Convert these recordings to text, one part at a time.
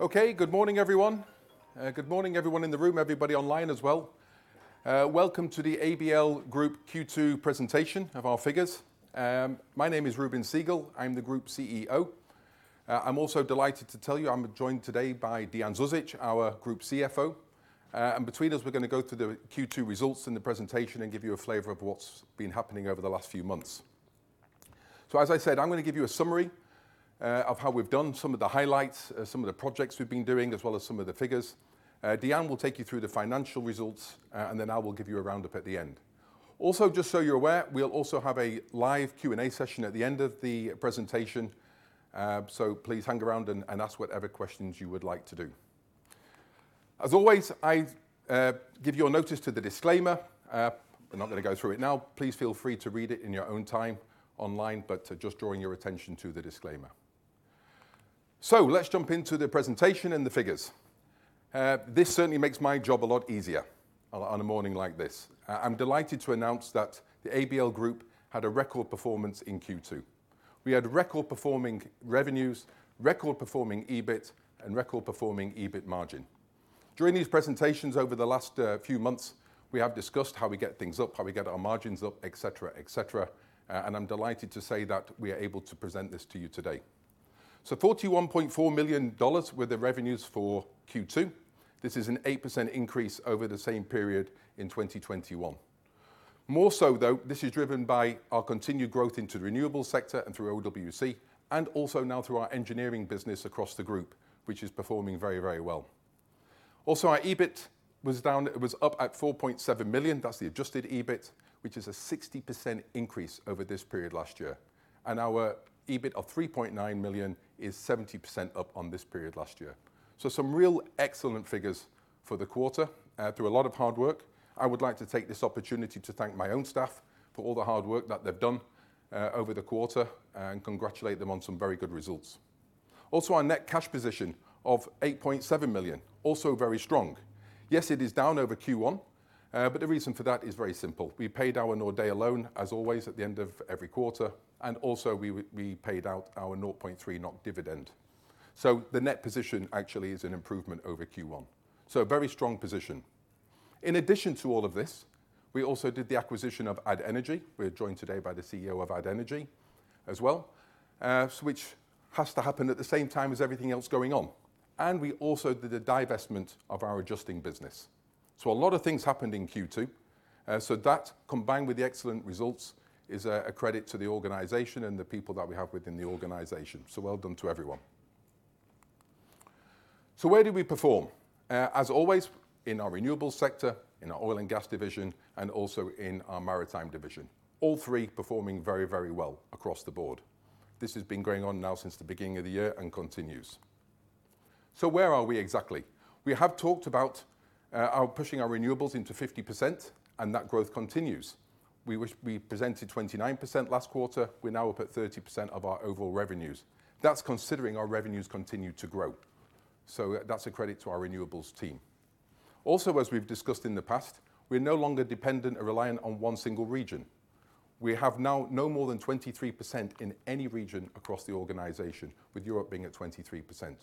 Okay, good morning, everyone. Good morning everyone in the room, everybody online as well. Welcome to the ABL Group Q2 presentation of our figures. My name is Reuben Segal, I'm the Group CEO. I'm also delighted to tell you I'm joined today by Dean Zuzic, our Group CFO. Between us we're gonna go through the Q2 results and the presentation, and give you a flavor of what's been happening over the last few months. As I said, I'm gonna give you a summary of how we've done, some of the highlights, some of the projects we've been doing, as well as some of the figures. Dean will take you through the financial results, and then I will give you a round-up at the end. Also, just so you're aware, we'll also have a live Q&A session at the end of the presentation, so please hang around and ask whatever questions you would like to do. As always, I give you a notice to the disclaimer. I'm not gonna go through it now. Please feel free to read it in your own time online, but just drawing your attention to the disclaimer. Let's jump into the presentation and the figures. This certainly makes my job a lot easier on a morning like this. I'm delighted to announce that the ABL Group had a record performance in Q2. We had record-performing revenues, record-performing EBIT, and record-performing EBIT margin. During these presentations over the last few months, we have discussed how we get things up, how we get our margins up, et cetera. I'm delighted to say that we are able to present this to you today. $41.4 million were the revenues for Q2. This is an 8% increase over the same period in 2021. More so though, this is driven by our continued growth into the renewable sector and through OWC, and also now through our engineering business across the group, which is performing very, very well. Also, our EBIT was up at $4.7 million, that's the adjusted EBIT, which is a 60% increase over this period last year. Our EBIT of $3.9 million is 70% up on this period last year. Some real excellent figures for the quarter, through a lot of hard work. I would like to take this opportunity to thank my own staff for all the hard work that they've done, over the quarter, and congratulate them on some very good results. Also, our net cash position of $8.7 million, also very strong. Yes, it is down over Q1, but the reason for that is very simple. We paid our Nordea loan, as always at the end of every quarter, and also we paid out our $0.30 dividend. The net position actually is an improvement over Q1, so a very strong position. In addition to all of this, we also did the acquisition of Add Energy. We're joined today by the CEO of Add Energy as well, so which has to happen at the same time as everything else going on. We also did a divestment of our adjusting business. A lot of things happened in Q2, so that combined with the excellent results is a credit to the organization and the people that we have within the organization. Well done to everyone. Where did we perform? As always, in our Renewables sector, Oil & Gas division, and also in our Maritime division. All three performing very, very well across the board. This has been going on now since the beginning of the year, and continues. Where are we exactly? We have talked about our pushing our Renewables into 50%, and that growth continues. We presented 29% last quarter, we're now up at 30% of our overall revenues. That's considering our revenues continue to grow. That's a credit to our Renewables team. Also, as we've discussed in the past, we're no longer dependent or reliant on one single region. We have now no more than 23% in any region across the organization, with Europe being at 23%.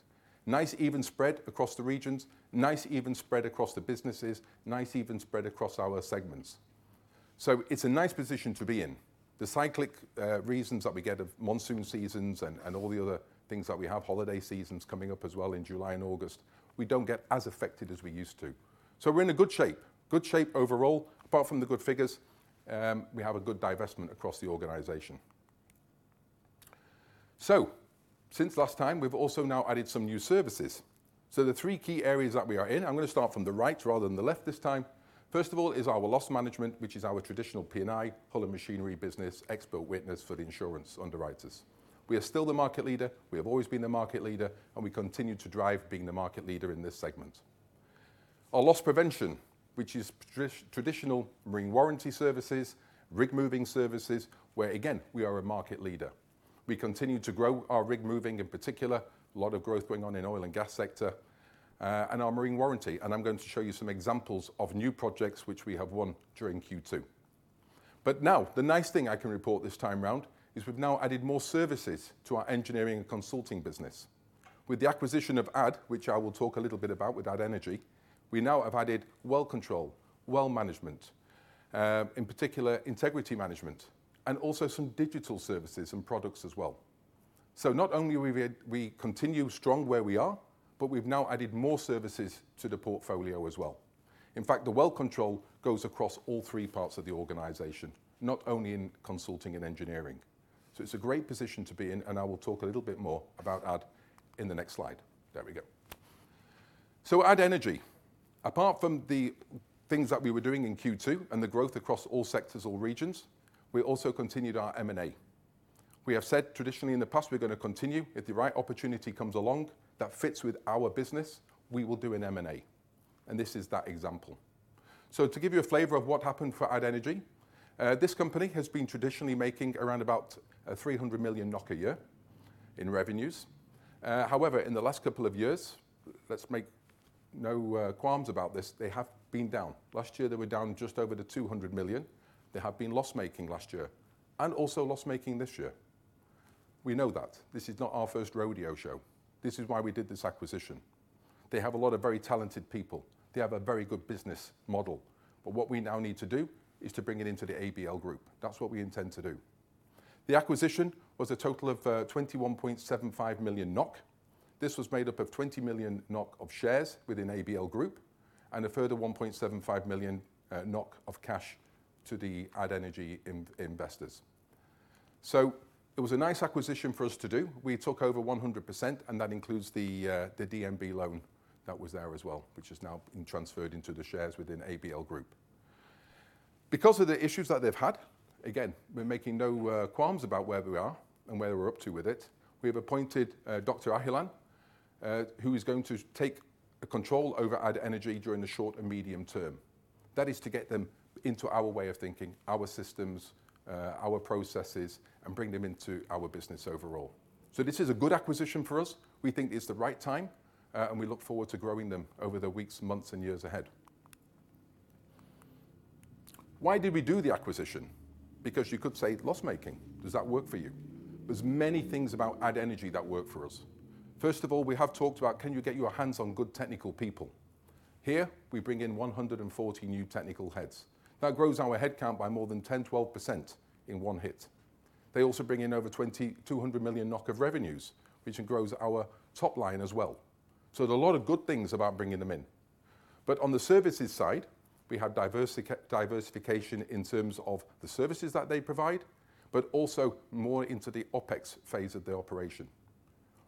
Nice even spread across the regions, nice even spread across the businesses, nice even spread across our segments. It's a nice position to be in. The cyclical reasons that we get from monsoon seasons and all the other things that we have, holiday seasons coming up as well in July and August, we don't get as affected as we used to. We're in a good shape, good shape overall. Apart from the good figures, we have a good diversification across the organization. Since last time we've also now added some new services. The three key areas that we are in, I'm gonna start from the right rather than the left this time. First of all is our loss management, which is our traditional P&I, hull and machinery business, expert witness for the insurance underwriters. We are still the market leader, we have always been the market leader, and we continue to drive being the market leader in this segment. Our loss prevention, which is traditional marine warranty services, rig moving services, where again, we are a market leader. We continue to grow our rig moving in particular, a lot of growth going Oil & Gas sector, and our marine warranty. I'm going to show you some examples of new projects which we have won during Q2. Now, the nice thing I can report this time around is we've now added more services to our engineering and consulting business. With the acquisition of Add, which I will talk a little bit about with Add Energy, we now have added well control, well management, in particular integrity management, and also some digital services and products as well. Not only we continue strong where we are, but we've now added more services to the portfolio as well. In fact, the well control goes across all three parts of the organization, not only in consulting and engineering. It's a great position to be in, and I will talk a little bit more about Add in the next slide. There we go. Add Energy. Apart from the things that we were doing in Q2 and the growth across all sectors, all regions, we also continued our M&A. We have said traditionally in the past we're gonna continue. If the right opportunity comes along that fits with our business, we will do an M&A, and this is that example. To give you a flavor of what happened for Add Energy, this company has been traditionally making around about 300 million NOK a year in revenues. However, in the last couple of years, let's make no qualms about this, they have been down. Last year, they were down just over 200 million. They have been loss-making last year and also loss-making this year. We know that. This is not our first rodeo show. This is why we did this acquisition. They have a lot of very talented people. They have a very good business model. What we now need to do is to bring it into the ABL Group. That's what we intend to do. The acquisition was a total of 21.75 million NOK. This was made up of 20 million NOK of shares within ABL Group and a further 1.75 million NOK of cash to the Add Energy investors. It was a nice acquisition for us to do. We took over 100%, and that includes the DNB loan that was there as well, which is now being transferred into the shares within ABL Group. Because of the issues that they've had, again, we're making no qualms about where we are and where we're up to with it. We have appointed Dr. Ahilan, who is going to take control over Add Energy during the short and medium term. That is to get them into our way of thinking, our systems, our processes, and bring them into our business overall. This is a good acquisition for us. We think it's the right time, and we look forward to growing them over the weeks, months and years ahead. Why did we do the acquisition? Because you could say loss-making. Does that work for you? There's many things about Add Energy that work for us. First of all, we have talked about can you get your hands on good technical people? Here we bring in 140 new technical heads. That grows our headcount by more than 10%-12% in one hit. They also bring in over 200 million NOK of revenues, which grows our top line as well. There are a lot of good things about bringing them in. On the services side, we have diversification in terms of the services that they provide, but also more into the OpEx phase of the operation.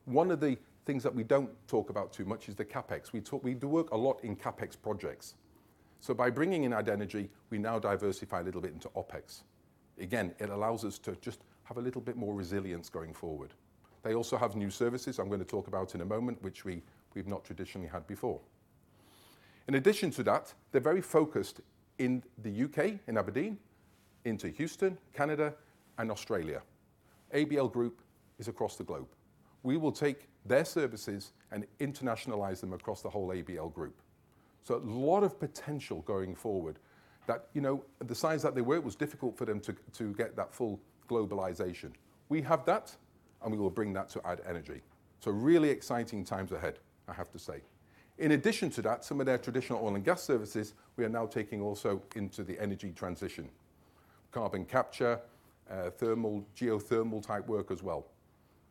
One of the things that we don't talk about too much is the CapEx. We work a lot in CapEx projects. By bringing in Add Energy, we now diversify a little bit into OpEx. Again, it allows us to just have a little bit more resilience going forward. They also have new services I'm gonna talk about in a moment which we've not traditionally had before. In addition to that, they're very focused in the U.K., in Aberdeen, into Houston, Canada and Australia. ABL Group is across the globe. We will take their services and internationalize them across the whole ABL Group. A lot of potential going forward that, you know, the size that they were, it was difficult for them to get that full globalization. We have that, and we will bring that to Add Energy. Really exciting times ahead, I have to say. In addition to that, some of Oil & Gas services we are now taking also into the energy transition, carbon capture, thermal, geothermal type work as well.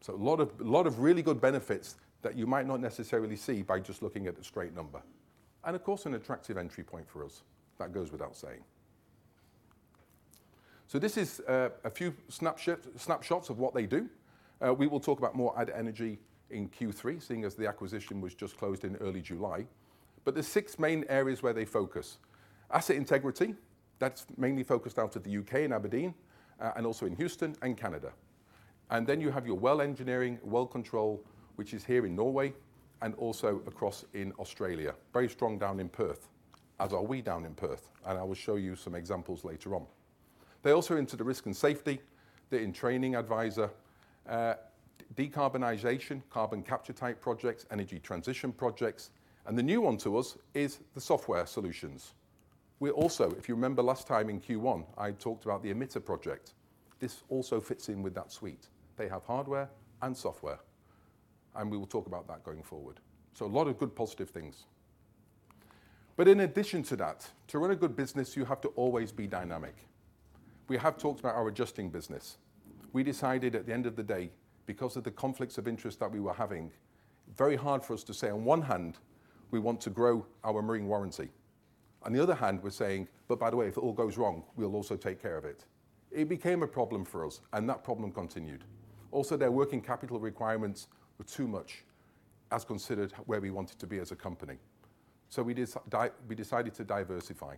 A lot of really good benefits that you might not necessarily see by just looking at the straight number and of course, an attractive entry point for us. That goes without saying. This is a few snapshots of what they do. We will talk about more Add Energy in Q3, seeing as the acquisition was just closed in early July. There's six main areas where they focus. Asset integrity, that's mainly focused out of the U.K. and Aberdeen, and also in Houston and Canada. You have your well engineering, well control, which is here in Norway and also across in Australia. Very strong down in Perth, as are we down in Perth. I will show you some examples later on. They also are into the risk and safety. They're in training advisor, decarbonization, carbon capture type projects, energy transition projects, and the new one to us is the software solutions. We also, if you remember last time in Q1, I talked about the emiTr project. This also fits in with that suite. They have hardware and software, and we will talk about that going forward. A lot of good positive things. In addition to that, to run a good business, you have to always be dynamic. We have talked about our adjusting business. We decided at the end of the day, because of the conflicts of interest that we were having, very hard for us to say on one hand we want to grow our marine warranty. On the other hand, we're saying, "But by the way, if it all goes wrong, we'll also take care of it." It became a problem for us and that problem continued. Also, their working capital requirements were too much as considered where we wanted to be as a company. We decided to diversify.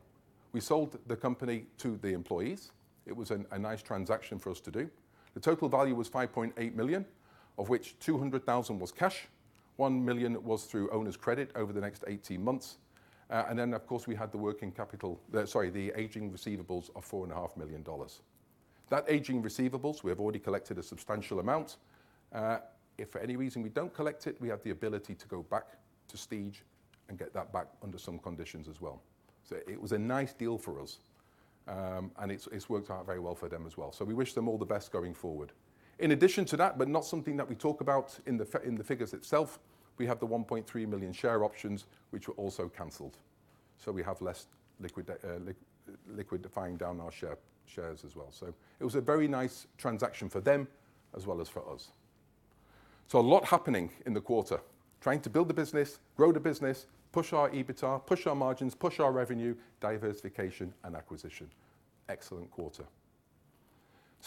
We sold the company to the employees. It was a nice transaction for us to do. The total value was $5.8 million, of which $200,000 was cash, $1 million was through owner's credit over the next 18 months. Of course we had the working capital, the aging receivables of $4.5 million. That aging receivables, we have already collected a substantial amount. If for any reason we don't collect it, we have the ability to go back to Steege and get that back under some conditions as well. It was a nice deal for us, and it's worked out very well for them as well. We wish them all the best going forward. In addition to that, but not something that we talk about in the figures itself, we have the 1.3 million share options which were also canceled. We have less liquidity, liquidating our shares as well. It was a very nice transaction for them as well as for us. A lot happening in the quarter. Trying to build the business, grow the business, push our EBITDA, push our margins, push our revenue, diversification and acquisition. Excellent quarter.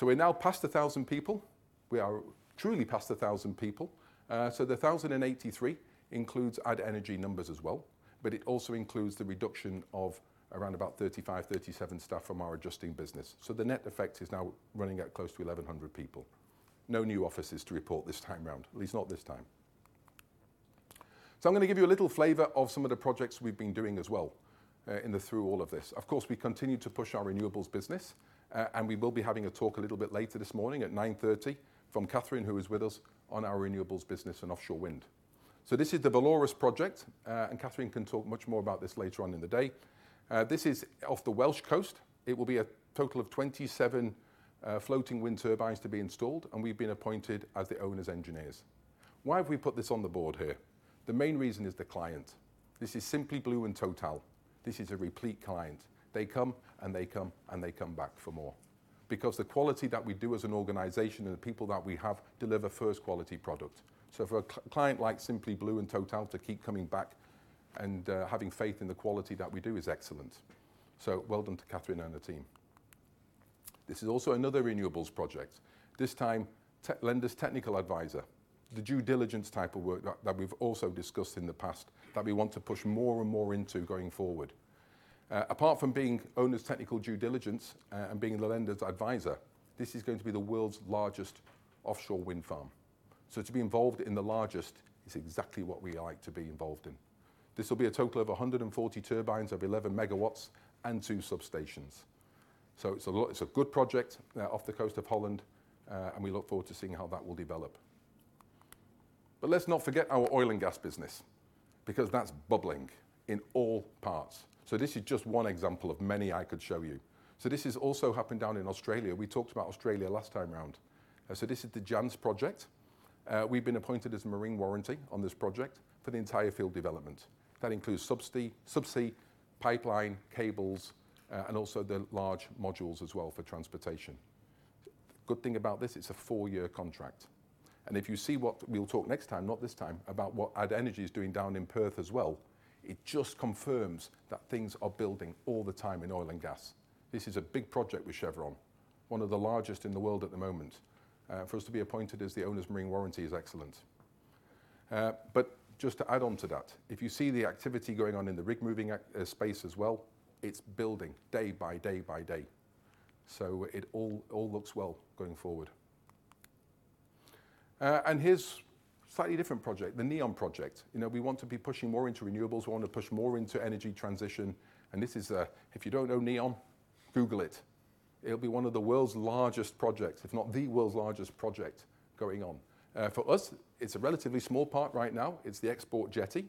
We're now past 1,000 people. We are truly past 1,000 people. The 1,083 includes Add Energy numbers as well, but it also includes the reduction of around about 35-37 staff from our adjusting business. The net effect is now running at close to 1,100 people. No new offices to report this time around, at least not this time. I'm gonna give you a little flavor of some of the projects we've been doing as well, in the through all of this. Of course, we continue to push our Renewables business, and we will be having a talk a little bit later this morning at 9:30 A.M. from Katherine who is with us on our Renewables business and offshore wind. This is the Valorous project, and Katherine can talk much more about this later on in the day. This is off the Welsh coast. It will be a total of 27 floating wind turbines to be installed, and we've been appointed as the owners' engineers. Why have we put this on the board here? The main reason is the client. This is Simply Blue and TotalEnergies. This is a repeat client. They come, and they come, and they come back for more because the quality that we do as an organization and the people that we have deliver first-quality product. For a client like Simply Blue and Total to keep coming back and having faith in the quality that we do is excellent. Well done to Katherine and the team. This is also another Renewables project. This time lender's technical advisor, the due diligence type of work that we've also discussed in the past that we want to push more and more into going forward. Apart from being owner's technical due diligence and being the lender's advisor, this is going to be the world's largest offshore wind farm. To be involved in the largest is exactly what we like to be involved in. This will be a total of 140 turbines of 11 MW and two substations. It's a good project off the coast of Holland, and we look forward to seeing how that will develop. Let's not Oil & Gas business because that's bubbling in all parts, so this is just one example of many I could show you. This has also happened down in Australia. We talked about Australia last time round. This is the Jansz-Io project. We've been appointed as marine warranty on this project for the entire field development. That includes subsea pipeline, cables, and also the large modules as well for transportation. Good thing about this, it's a four-year contract, and if you see what we'll talk next time, not this time, about what Add Energy is doing down in Perth as well, it just confirms that things are building all the Oil & Gas. this is a big project with Chevron, one of the largest in the world at the moment. For us to be appointed as the owner's marine warranty is excellent. Just to add on to that, if you see the activity going on in the rig moving space as well, it's building day by day. It all looks well going forward. Here's slightly different project, the NEOM project. You know, we want to be pushing more into Renewables. We want to push more into energy transition, and this is... If you don't know NEOM, Google it. It'll be one of the world's largest projects, if not the world's largest project going on. For us, it's a relatively small part right now. It's the export jetty,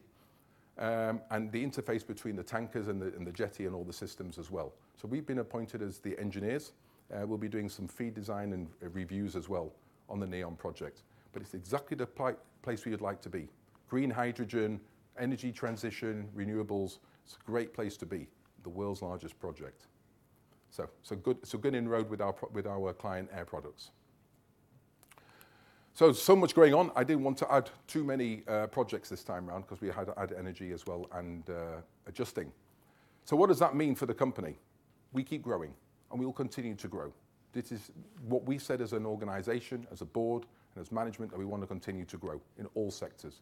and the interface between the tankers and the jetty and all the systems as well. We've been appointed as the engineers. We'll be doing some FEED design and reviews as well on the NEOM project. It's exactly the right place we would like to be. Green hydrogen, energy transition, renewables. It's a great place to be, the world's largest project. Good inroads with our client, Air Products. Much going on. I didn't want to add too many projects this time around because we had Add Energy as well and adjusting. What does that mean for the company? We keep growing, and we will continue to grow. This is what we said as an organization, as a board, and as management that we want to continue to grow in all sectors.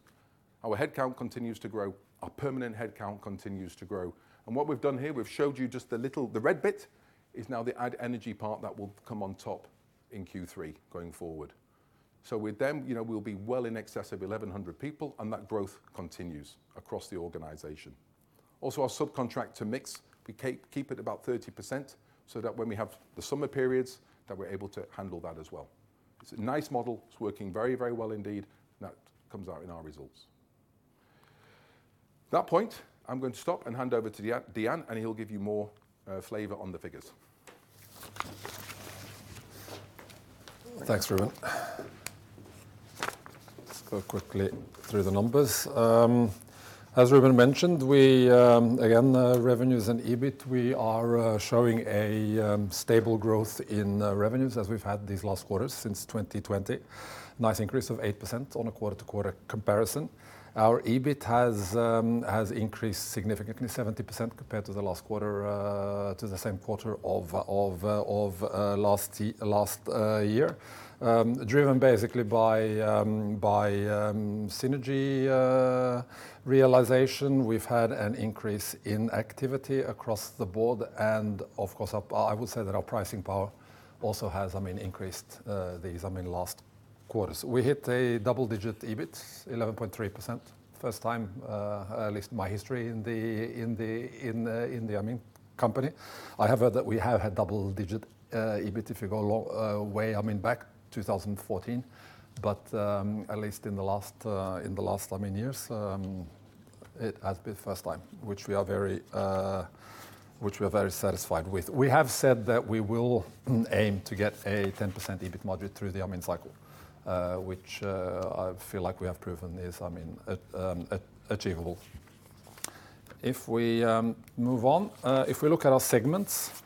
Our headcount continues to grow. Our permanent headcount continues to grow. What we've done here, we've showed you just the little. The red bit is now the Add Energy part that will come on top in Q3 going forward. With them, you know, we'll be well in excess of 1,100 people, and that growth continues across the organization. Also, our subcontractor mix, we keep it about 30% so that when we have the summer periods that we're able to handle that as well. It's a nice model. It's working very, very well indeed, and that comes out in our results. At that point, I'm going to stop and hand over to Dean, and he'll give you more flavor on the figures. Thanks, Reuben. Let's go quickly through the numbers. As Reuben mentioned, we again revenues and EBIT we are showing a stable growth in revenues as we've had these last quarters since 2020. Nice increase of 8% on a quarter-to-quarter comparison. Our EBIT has increased significantly, 70% compared to the last quarter to the same quarter of last year. Driven basically by synergy realization. We've had an increase in activity across the board and, of course, I would say that our pricing power also has I mean increased these I mean last quarters. We hit a double-digit EBIT, 11.3%. First time at least in my history in the I mean company. I have heard that we have had double-digit EBIT if you go a long way, I mean, back, 2014. At least in the last years, it has been the first time, which we are very satisfied with. We have said that we will aim to get a 10% EBIT margin through the, I mean, cycle, which I feel like we have proven is, I mean, achievable. If we move on, if we look at our segments,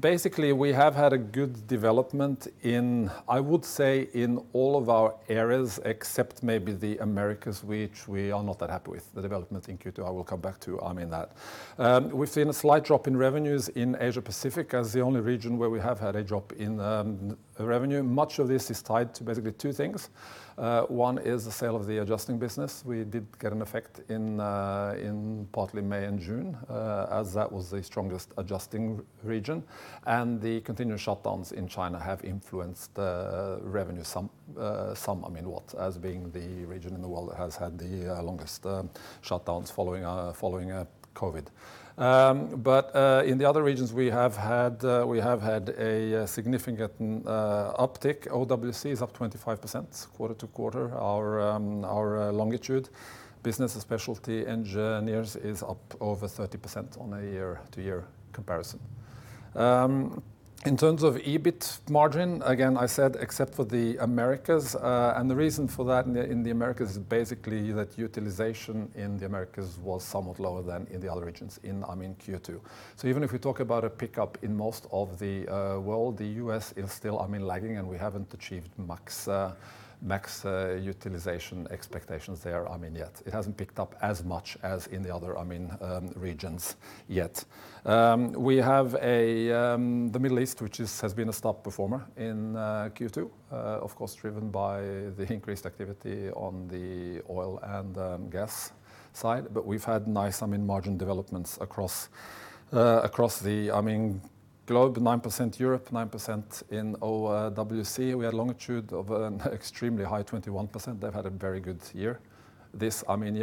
basically we have had a good development in, I would say, in all of our areas except maybe the Americas, which we are not that happy with the development in Q2. I will come back to, I mean, that. We've seen a slight drop in revenues in Asia-Pacific as the only region where we have had a drop in revenue. Much of this is tied to basically two things. One is the sale of the adjusting business. We did get an effect in partly May and June as that was the strongest adjusting region. The continued shutdowns in China have influenced revenue some, I mean, as being the region in the world that has had the longest shutdowns following COVID. In the other regions, we have had a significant uptick. OWC is up 25% quarter-over-quarter. Our Longitude business and Specialty Engineering is up over 30% on a year-to-year comparison. In terms of EBIT margin, again, I said except for the Americas, and the reason for that in the Americas is basically that utilization in the Americas was somewhat lower than in the other regions in Q2. Even if we talk about a pickup in most of the world, the U.S. is still lagging, and we haven't achieved max utilization expectations there yet. It hasn't picked up as much as in the other regions yet. We have the Middle East, which has been a star performer in Q2, of course, driven by the increased activity the Oil & Gas side. We've had nice, I mean, margin developments across the globe. 9% Europe, 9% in OWC. We had Longitude of an extremely high 21%. They've had a very good year, I mean,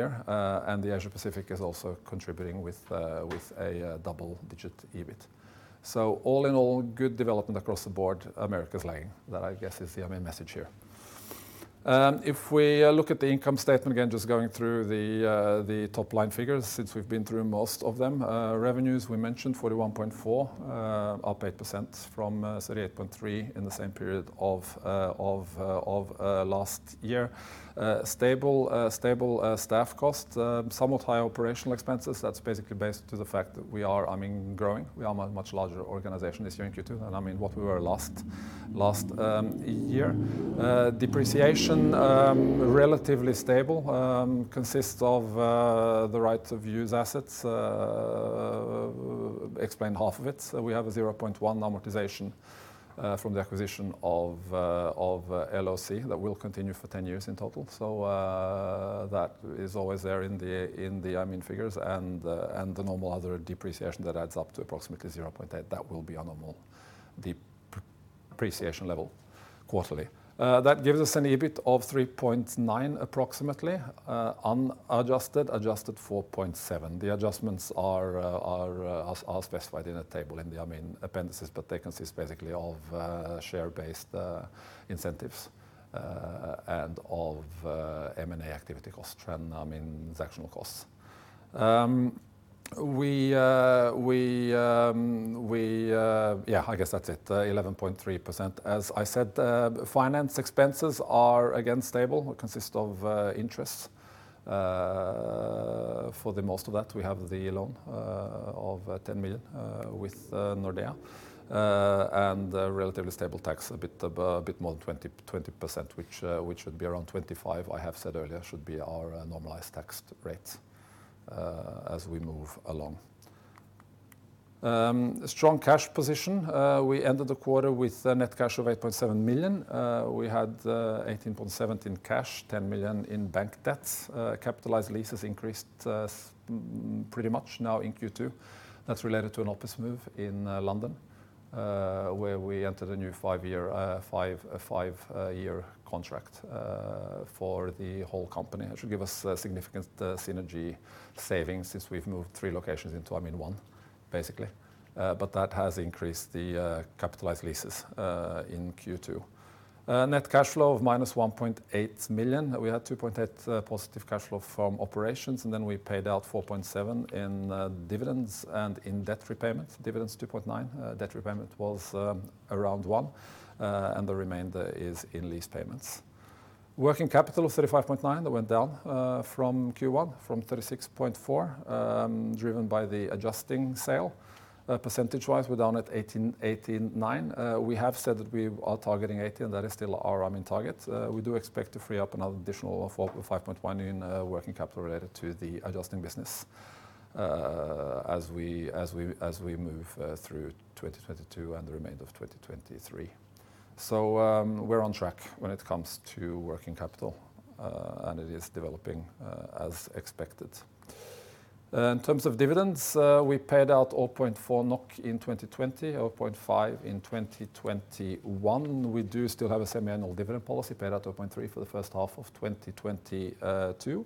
and the Asia Pacific is also contributing with a double-digit EBIT. All in all, good development across the board. Americas lagging. That I guess is the main message here. If we look at the income statement, again, just going through the top-line figures, since we've been through most of them. Revenues we mentioned, $41.4 million, up 8% from $38.3 million in the same period of last year. Stable staff costs, somewhat high operating expenses. That's basically based on the fact that we are, I mean, growing. We are a much larger organization this year in Q2 than, I mean, what we were last year. Depreciation relatively stable consists of the right to use assets explained half of it. We have a $0.1 million amortization from the acquisition of LOC that will continue for 10 years in total. That is always there in the, I mean, figures and the normal other depreciation that adds up to approximately $0.8 million. That will be our normal depreciation level quarterly. That gives us an EBIT of $3.9 million approximately, unadjusted. Adjusted, $4.7 million. The adjustments are specified in the, I mean, appendices, but they consist basically of share-based incentives and of M&A activity costs and, I mean, transactional costs. Yeah, I guess that's it. 11.3%. As I said, finance expenses are again stable, consist of interest. For the most of that, we have the loan of $10 million with Nordea. And relatively stable tax, a bit more than 20%, which should be around 25%. I have said earlier should be our normalized tax rate as we move along. Strong cash position. We ended the quarter with a net cash of $8.7 million. We had $18.7 million in cash, $10 million in bank debts. Capitalized leases increased pretty much now in Q2. That's related to an office move in London where we entered a new five-year contract for the whole company. That should give us significant synergy savings since we've moved three locations into one, I mean, basically. That has increased the capitalized leases in Q2. Net cash flow of -$1.8 million. We had $2.8 million positive cash flow from operations, and then we paid out $4.7 million in dividends and in debt repayments. Dividends, $2.9 million. Debt repayment was around $1 million, and the remainder is in lease payments. Working capital of $35.9 million. That went down from Q1, from $36.4 million, driven by the adjusting sale. Percentage-wise, we're down at 18.9%. We have said that we are targeting 18%. That is still our, I mean, target. We do expect to free up an additional 5.1 % in working capital related to the adjusting business, as we move through 2022 and the remainder of 2023. We're on track when it comes to working capital, and it is developing as expected. In terms of dividends, we paid out 0.4 NOK in 2020, 0.5 in 2021. We do still have a semiannual dividend policy, paid out 0.3 for the first half of 2022.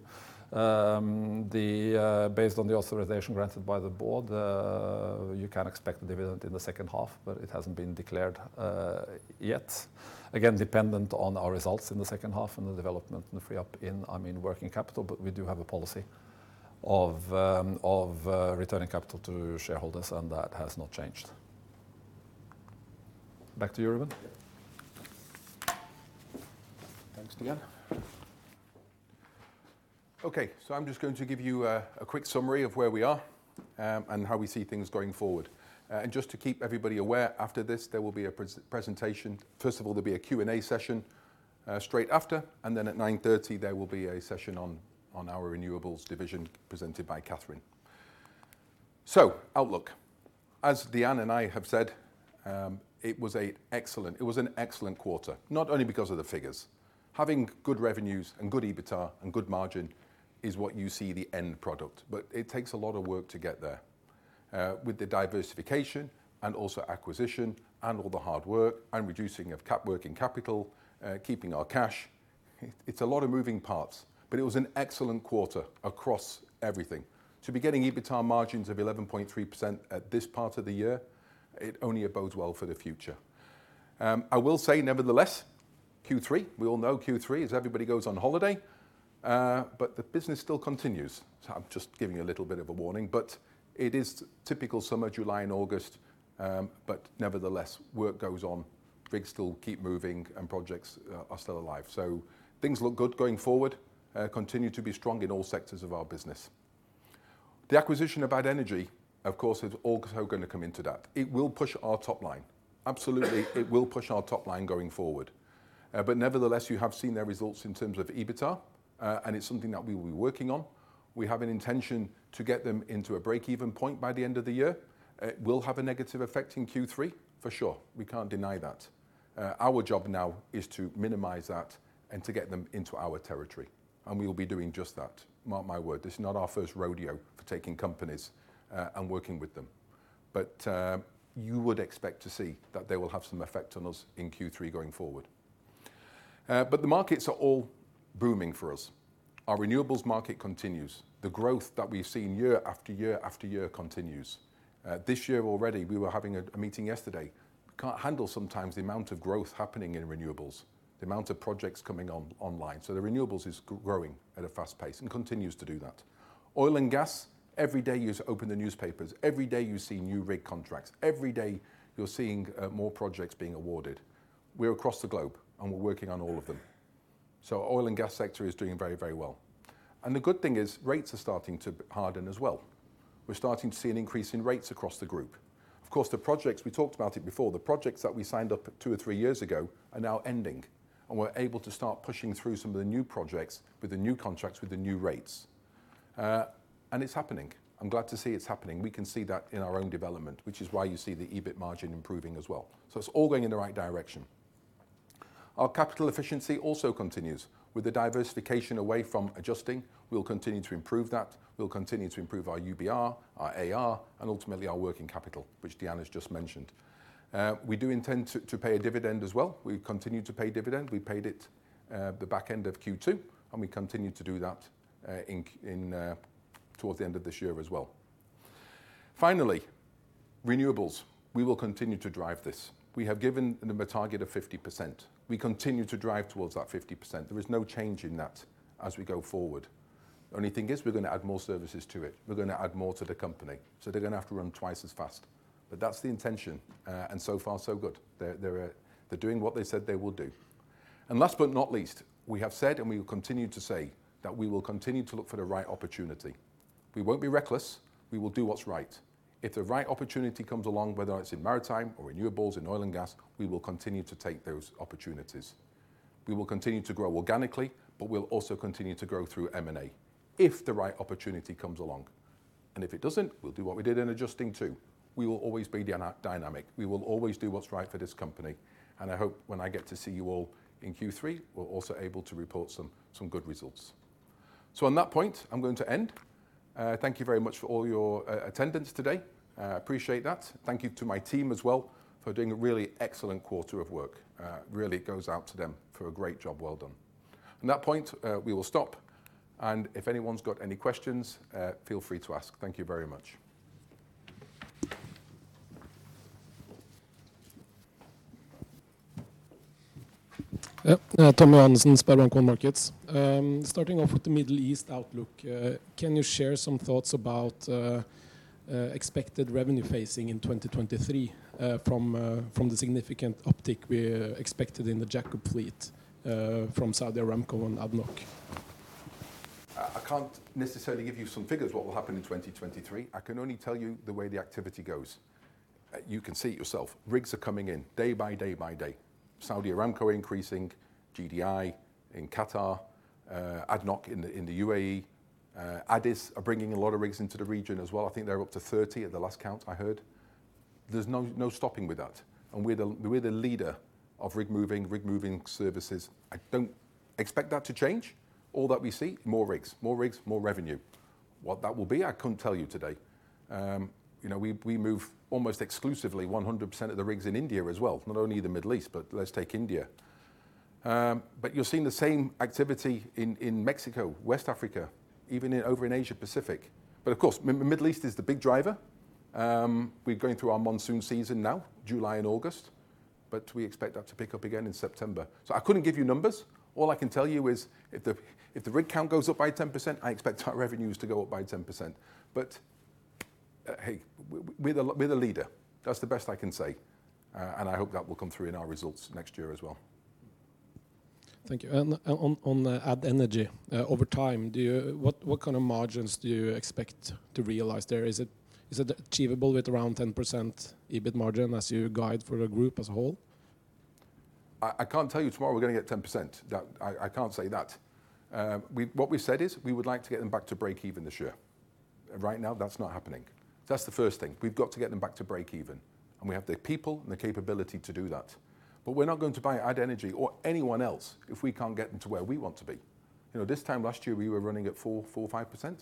Based on the authorization granted by the board, you can expect a dividend in the second half, but it hasn't been declared yet. Again, dependent on our results in the second half and the development in, I mean, working capital, but we do have a policy of returning capital to shareholders, and that has not changed. Back to you, Reuben. Thanks, Dean. Okay, I'm just going to give you a quick summary of where we are and how we see things going forward. Just to keep everybody aware, after this, there will be a presentation. First of all, there'll be a Q&A session straight after, and then at 9:30 A.M., there will be a session on our Renewables division presented by Katherine. Outlook. As Dean and I have said, it was an excellent quarter, not only because of the figures. Having good revenues and good EBITDA and good margin is what you see the end product, but it takes a lot of work to get there. With the diversification and also acquisition and all the hard work and reducing of working capital, keeping our cash, it's a lot of moving parts. It was an excellent quarter across everything. To be getting EBITDA margins of 11.3% at this part of the year, it only bodes well for the future. I will say, nevertheless, Q3. We all know Q3 is when everybody goes on holiday, but the business still continues. I'm just giving you a little bit of a warning, but it is typical summer, July and August, but nevertheless, work goes on, rigs still keep moving, and projects are still alive. Things look good going forward, continue to be strong in all sectors of our business. The acquisition of Add Energy, of course, is also gonna come into that. It will push our top line. Absolutely, it will push our top line going forward. Nevertheless, you have seen their results in terms of EBITDA, and it's something that we will be working on. We have an intention to get them into a break-even point by the end of the year. It will have a negative effect in Q3 for sure. We can't deny that. Our job now is to minimize that and to get them into our territory, and we will be doing just that, mark my word. This is not our first rodeo for taking companies and working with them. You would expect to see that they will have some effect on us in Q3 going forward. The markets are all booming for us. Our Renewables market continues. The growth that we've seen year after year after year continues. This year already, we were having a meeting yesterday. Can't handle sometimes the amount of growth happening in Renewables, the amount of projects coming online. The Renewables is growing at a fast pace and continues to Oil & Gas, every day you open the newspapers, every day you see new rig contracts, every day you're seeing, more projects being awarded. We're across the globe, and we're working on all Oil & Gas sector is doing very, very well. The good thing is rates are starting to harden as well. We're starting to see an increase in rates across the group. Of course, the projects, we talked about it before, the projects that we signed up two or three years ago are now ending, and we're able to start pushing through some of the new projects with the new contracts with the new rates. And it's happening. I'm glad to see it's happening. We can see that in our own development, which is why you see the EBIT margin improving as well. It's all going in the right direction. Our capital efficiency also continues. With the diversification away from adjusting, we'll continue to improve that. We'll continue to improve our UBR, our AR, and ultimately our working capital, which Dean's just mentioned. We do intend to pay a dividend as well. We continue to pay dividend. We paid it the back end of Q2, and we continue to do that towards the end of this year as well. Finally, Renewables. We will continue to drive this. We have given them a target of 50%. We continue to drive towards that 50%. There is no change in that as we go forward. Only thing is we're gonna add more services to it. We're gonna add more to the company, so they're gonna have to run twice as fast. That's the intention, and so far, so good. They're doing what they said they will do. Last but not least, we have said, and we will continue to say that we will continue to look for the right opportunity. We won't be reckless. We will do what's right. If the right opportunity comes along, whether it's in Maritime or Oil & Gas, we will continue to take those opportunities. We will continue to grow organically, but we'll also continue to grow through M&A if the right opportunity comes along. If it doesn't, we'll do what we did in adjusting to. We will always be dynamic. We will always do what's right for this company, and I hope when I get to see you all in Q3, we're also able to report some good results. On that point, I'm going to end. Thank you very much for all your attendance today. Appreciate that. Thank you to my team as well for doing a really excellent quarter of work. Really it goes out to them for a great job well done. On that point, we will stop, and if anyone's got any questions, feel free to ask. Thank you very much. Yeah. Tommy Johannessen, SpareBank 1 Markets. Starting off with the Middle East outlook, can you share some thoughts about expected revenue phasing in 2023 from the significant uptick we're expected in the jack-up fleet from Saudi Aramco and ADNOC? I can't necessarily give you some figures what will happen in 2023. I can only tell you the way the activity goes. You can see it yourself. Rigs are coming in day by day. Saudi Aramco increasing, GDI in Qatar, ADNOC in the UAE. ADES are bringing a lot of rigs into the region as well. I think they're up to 30 rigs at the last count I heard. There's no stopping with that, and we're the leader of rig moving, rig moving services. I don't expect that to change. All that we see, more rigs. More rigs, more revenue. What that will be, I couldn't tell you today. You know, we move almost exclusively 100% of the rigs in India as well, not only the Middle East, but let's take India. You're seeing the same activity in Mexico, West Africa, even over in Asia-Pacific. Of course, Middle East is the big driver. We're going through our monsoon season now, July and August, but we expect that to pick up again in September. I couldn't give you numbers. All I can tell you is if the rig count goes up by 10%, I expect our revenues to go up by 10%. Hey, we're the leader. That's the best I can say, and I hope that will come through in our results next year as well. Thank you. On Add Energy, over time, what kind of margins do you expect to realize there? Is it achievable with around 10% EBIT margin as you guide for the group as a whole? I can't tell you tomorrow we're gonna get 10%. That, I can't say that. What we said is we would like to get them back to break even this year. Right now, that's not happening. That's the first thing. We've got to get them back to break even, and we have the people and the capability to do that. But we're not going to buy Add Energy or anyone else if we can't get them to where we want to be. You know, this time last year, we were running at 4%-5%,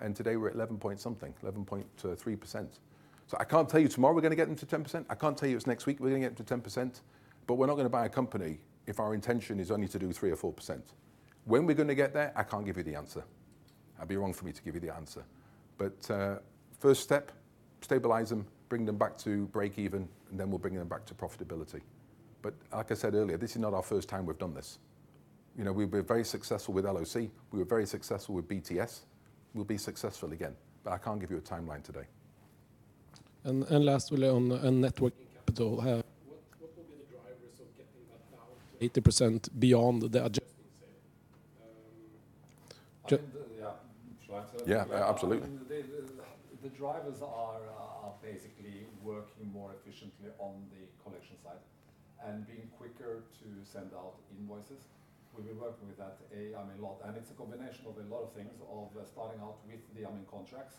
and today we're at 11.3%. I can't tell you tomorrow we're gonna get them to 10%. I can't tell you it's next week we're gonna get them to 10%. We're not gonna buy a company if our intention is only to do 3% or 4%. When we're gonna get there, I can't give you the answer. I'd be wrong for me to give you the answer. First step, stabilize them, bring them back to break even, and then we'll bring them back to profitability. Like I said earlier, this is not our first time we've done this. You know, we've been very successful with LOC, we were very successful with BTS, we'll be successful again. I can't give you a timeline today. Last one, on net working capital. What will be the drivers of getting that down to 80% beyond the adjusting sale? I mean, yeah. Shall I answer that? Yeah, absolutely. Yeah. I mean, the drivers are basically working more efficiently on the collection side and being quicker to send out invoices. We've been working with that. I mean, a lot. It's a combination of a lot of things, of starting out with the, I mean, contracts,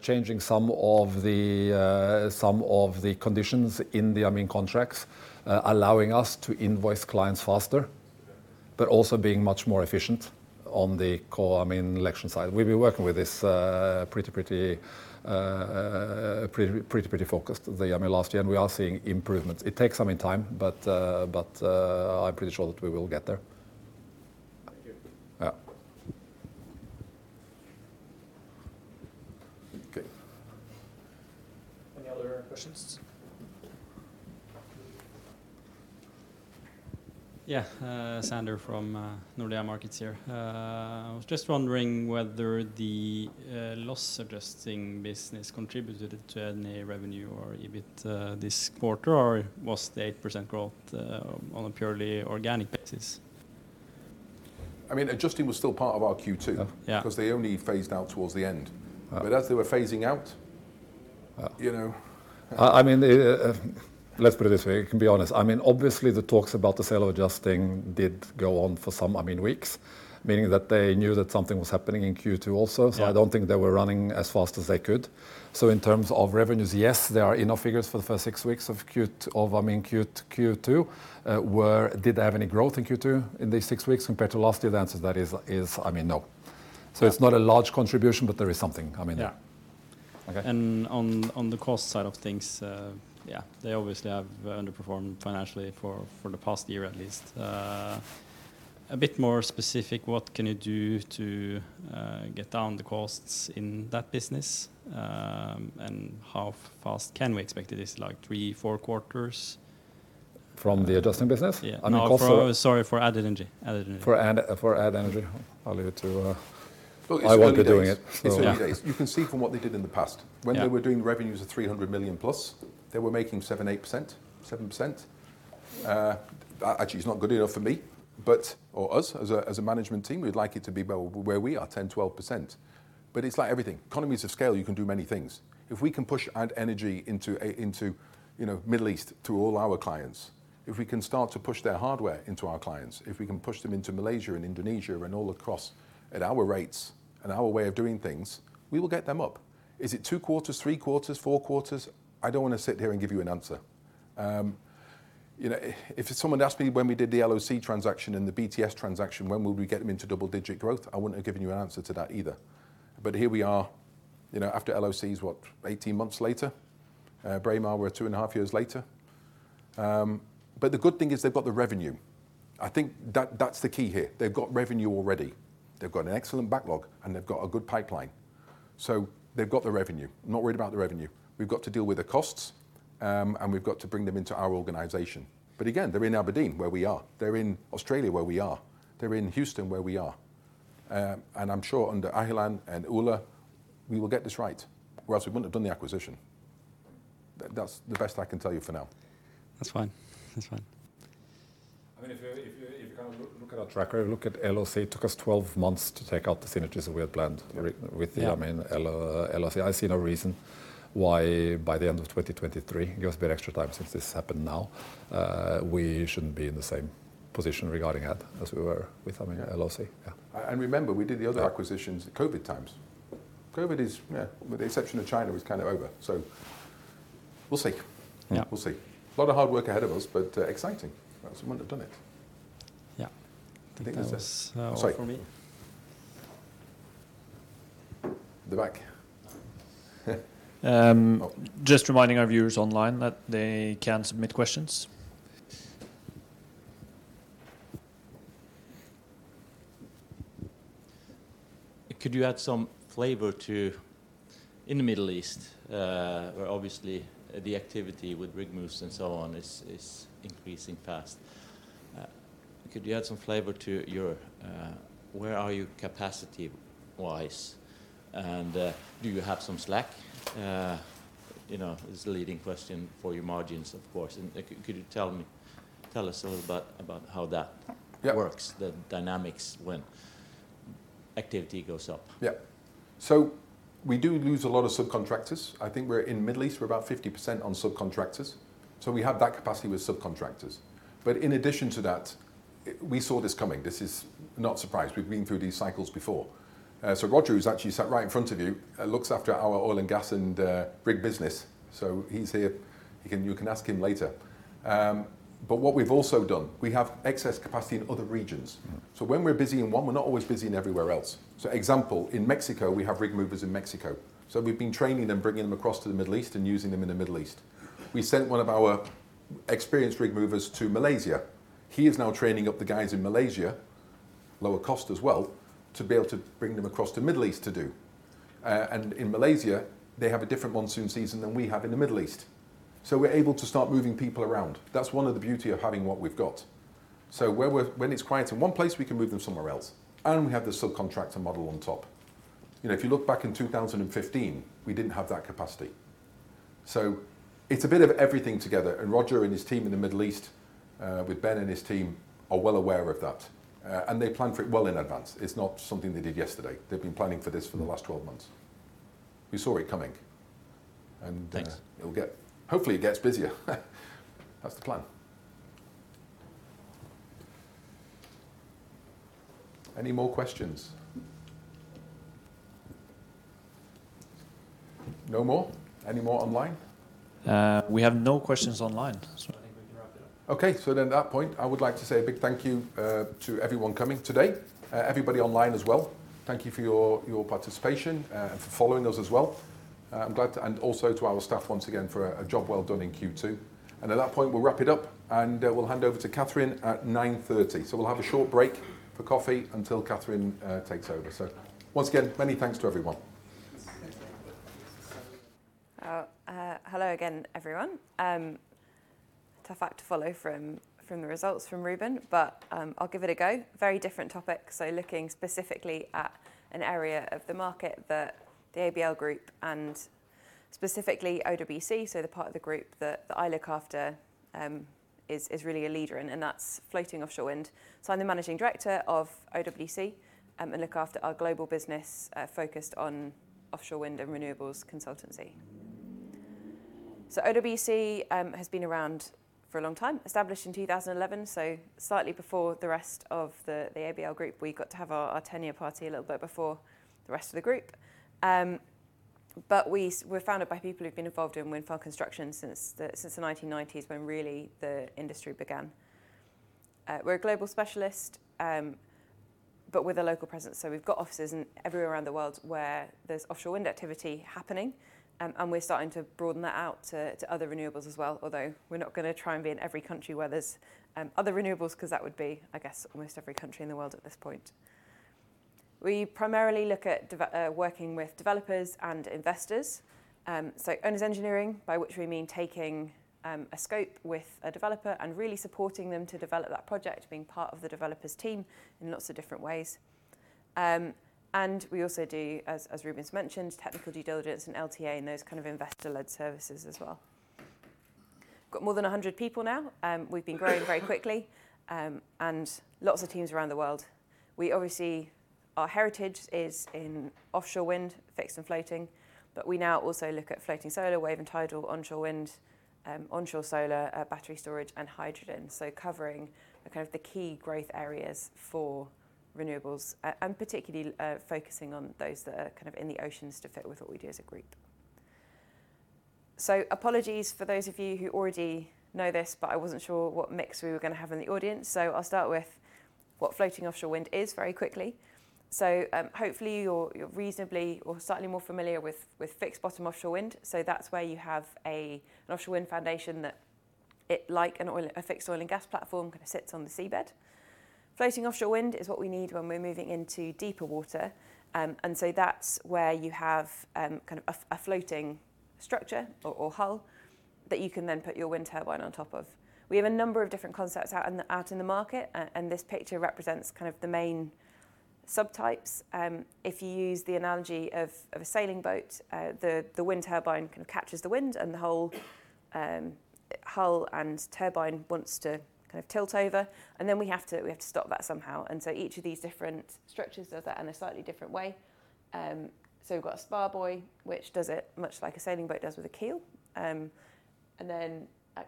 changing some of the conditions in the, I mean, contracts, allowing us to invoice clients faster, but also being much more efficient on the core, I mean, collection side. We've been working with this pretty focused. I mean, the last year, and we are seeing improvements. It takes some, I mean, time, but I'm pretty sure that we will get there. Thank you. Yeah. Okay. Any other questions? Yeah. Sander from Nordea Markets here. I was just wondering whether the loss adjusting business contributed to any revenue or EBIT this quarter, or was the 8% growth on a purely organic basis? I mean, adjusting was still part of our Q2. Yeah 'Cause they only phased out towards the end. Ah. As they were phasing out, you know. I mean, let's put it this way. I can be honest. I mean, obviously the talks about the sale of adjusting did go on for some, I mean, weeks, meaning that they knew that something was happening in Q2 also. Yeah. I don't think they were running as fast as they could. In terms of revenues, yes, there are enough figures for the first six weeks of Q2. I mean, did they have any growth in Q2 in these six weeks compared to last year? The answer to that is, I mean, no. Okay. It's not a large contribution, but there is something coming in. Yeah. Okay. On the cost side of things, they obviously have underperformed financially for the past year at least. A bit more specific, what can you do to get down the costs in that business? How fast can we expect it? Is it like three, four quarters? From the adjusting business? Yeah. I mean, also. Add Energy. For Add, for Add Energy? I'll leave it to, Look, it's early days. Reuben to doing it. It's early days. Yeah. You can see from what they did in the past. Yeah. When they were doing revenues of $300 million+, they were making 7%, 8%, 7%. Actually it's not good enough for me, but for us as a management team. We'd like it to be where we are, 10%, 12%. It's like everything. Economies of scale, you can do many things. If we can push Add Energy into, you know, Middle East through all our clients, if we can start to push their hardware into our clients, if we can push them into Malaysia and Indonesia and all across at our rates and our way of doing things, we will get them up. Is it two quarters, three quarters, four quarters? I don't wanna sit here and give you an answer. You know, if someone asked me when we did the LOC transaction and the BTS transaction, when will we get them into double-digit growth? I wouldn't have given you an answer to that either. Here we are, you know, after LOC's, what? 18 months later. Braemar, we're 2.5 years later. The good thing is they've got the revenue. I think that's the key here. They've got revenue already. They've got an excellent backlog, and they've got a good pipeline. They've got the revenue. I'm not worried about the revenue. We've got to deal with the costs, and we've got to bring them into our organization. Again, they're in Aberdeen, where we are. They're in Australia, where we are. They're in Houston, where we are. I'm sure under Dr. Ahilan and Ole, we will get this right, or else we wouldn't have done the acquisition. That's the best I can tell you for now. That's fine. That's fine. I mean, if you kind of look at our tracker, look at LOC, it took us 12 months to take out the synergies that we had planned. Yeah with the, I mean, LOC. I see no reason why by the end of 2023, it gives a bit extra time since this happened now, we shouldn't be in the same position regarding Add as we were with, I mean, LOC. Yeah. Remember, we did the other acquisitions. Yeah At COVID times. COVID is, yeah, with the exception of China, was kind of over. We'll see. Yeah. We'll see. A lot of hard work ahead of us, but exciting else we wouldn't have done it. Yeah. I think that's this. That was all for me. Sorry. The back. Just reminding our viewers online that they can submit questions. Could you add some flavor to, in the Middle East, where obviously the activity with rig moves and so on is increasing fast. Could you add some flavor to your, where are you capacity-wise? Do you have some slack? You know, is the leading question for your margins, of course. Could you tell us a little about how that works. Yeah the dynamics when activity goes up? Yeah, we do lose a lot of subcontractors. I think we're in Middle East, we're about 50% on subcontractors. We have that capacity with subcontractors. In addition to that, we saw this coming. This is not a surprise. We've been through these cycles before. Roger, who's actually sat right in front of you, looks Oil & Gas and rig business. He's here. You can ask him later. What we've also done, we have excess capacity in other regions. Mm-hmm. When we're busy in one, we're not always busy everywhere else. For example, in Mexico, we have rig movers in Mexico. We've been training them, bringing them across to the Middle East and using them in the Middle East. We sent one of our experienced rig movers to Malaysia. He is now training up the guys in Malaysia, lower cost as well, to be able to bring them across to Middle East to do. And in Malaysia, they have a different monsoon season than we have in the Middle East. We're able to start moving people around. That's one of the beauties of having what we've got. When it's quiet in one place, we can move them somewhere else, and we have the subcontractor model on top. You know, if you look back in 2015, we didn't have that capacity. It's a bit of everything together. Roger and his team in the Middle East, with Ben and his team are well aware of that. They plan for it well in advance. It's not something they did yesterday. They've been planning for this for the last 12 months. We saw it coming. Thanks Hopefully, it gets busier. That's the plan. Any more questions? No more? Any more online? We have no questions online, so I think we can wrap it up. Okay. At that point, I would like to say a big thank you to everyone coming today, everybody online as well. Thank you for your participation and for following us as well. To our staff once again for a job well done in Q2. At that point, we'll wrap it up, and we'll hand over to Katherine at 9:30 A.M. We'll have a short break for coffee until Katherine takes over. Once again, many thanks to everyone. Hello again, everyone. Tough act to follow from the results from Reuben. I'll give it a go. Very different topic, looking specifically at an area of the market that the ABL Group and specifically OWC, the part of the group that I look after, is really a leader in, and that's floating offshore wind. I'm the managing director of OWC, and look after our global business, focused on offshore wind and Renewables consultancy. OWC has been around for a long time, established in 2011, slightly before the rest of the ABL Group. We got to have our 10-year party a little bit before the rest of the group. We're founded by people who've been involved in wind farm construction since the 1990s when really the industry began. We're a global specialist, but with a local presence. We've got offices everywhere around the world where there's offshore wind activity happening, and we're starting to broaden that out to other Renewables as well. Although we're not gonna try and be in every country where there's other Renewables 'cause that would be, I guess, almost every country in the world at this point. We primarily look at working with developers and investors. Owner's engineering, by which we mean taking a scope with a developer and really supporting them to develop that project, being part of the developer's team in lots of different ways. We also do, as Reuben's mentioned, technical due diligence and LTA and those kind of investor-led services as well. Got more than 100 people now. We've been growing very quickly, and lots of teams around the world. We obviously. Our heritage is in offshore wind, fixed and floating, but we now also look at floating solar, wave and tidal, onshore wind, onshore solar, battery storage and hydrogen, so covering the kind of the key growth areas for Renewables and particularly, focusing on those that are kind of in the oceans to fit with what we do as a group. Apologies for those of you who already know this, but I wasn't sure what mix we were gonna have in the audience. I'll start with what floating offshore wind is very quickly. Hopefully, you're reasonably or slightly more familiar with fixed bottom offshore wind. That's where you have an offshore wind foundation that like an oil, Oil & Gas platform kinda sits on the seabed. Floating offshore wind is what we need when we're moving into deeper water. That's where you have kind of a floating structure or hull that you can then put your wind turbine on top of. We have a number of different concepts out in the market, and this picture represents kind of the main subtypes. If you use the analogy of a sailing boat, the wind turbine kind of captures the wind and the whole hull and turbine wants to kind of tilt over, and then we have to stop that somehow. Each of these different structures does that in a slightly different way. We've got a spar buoy, which does it much like a sailing boat does with a keel. A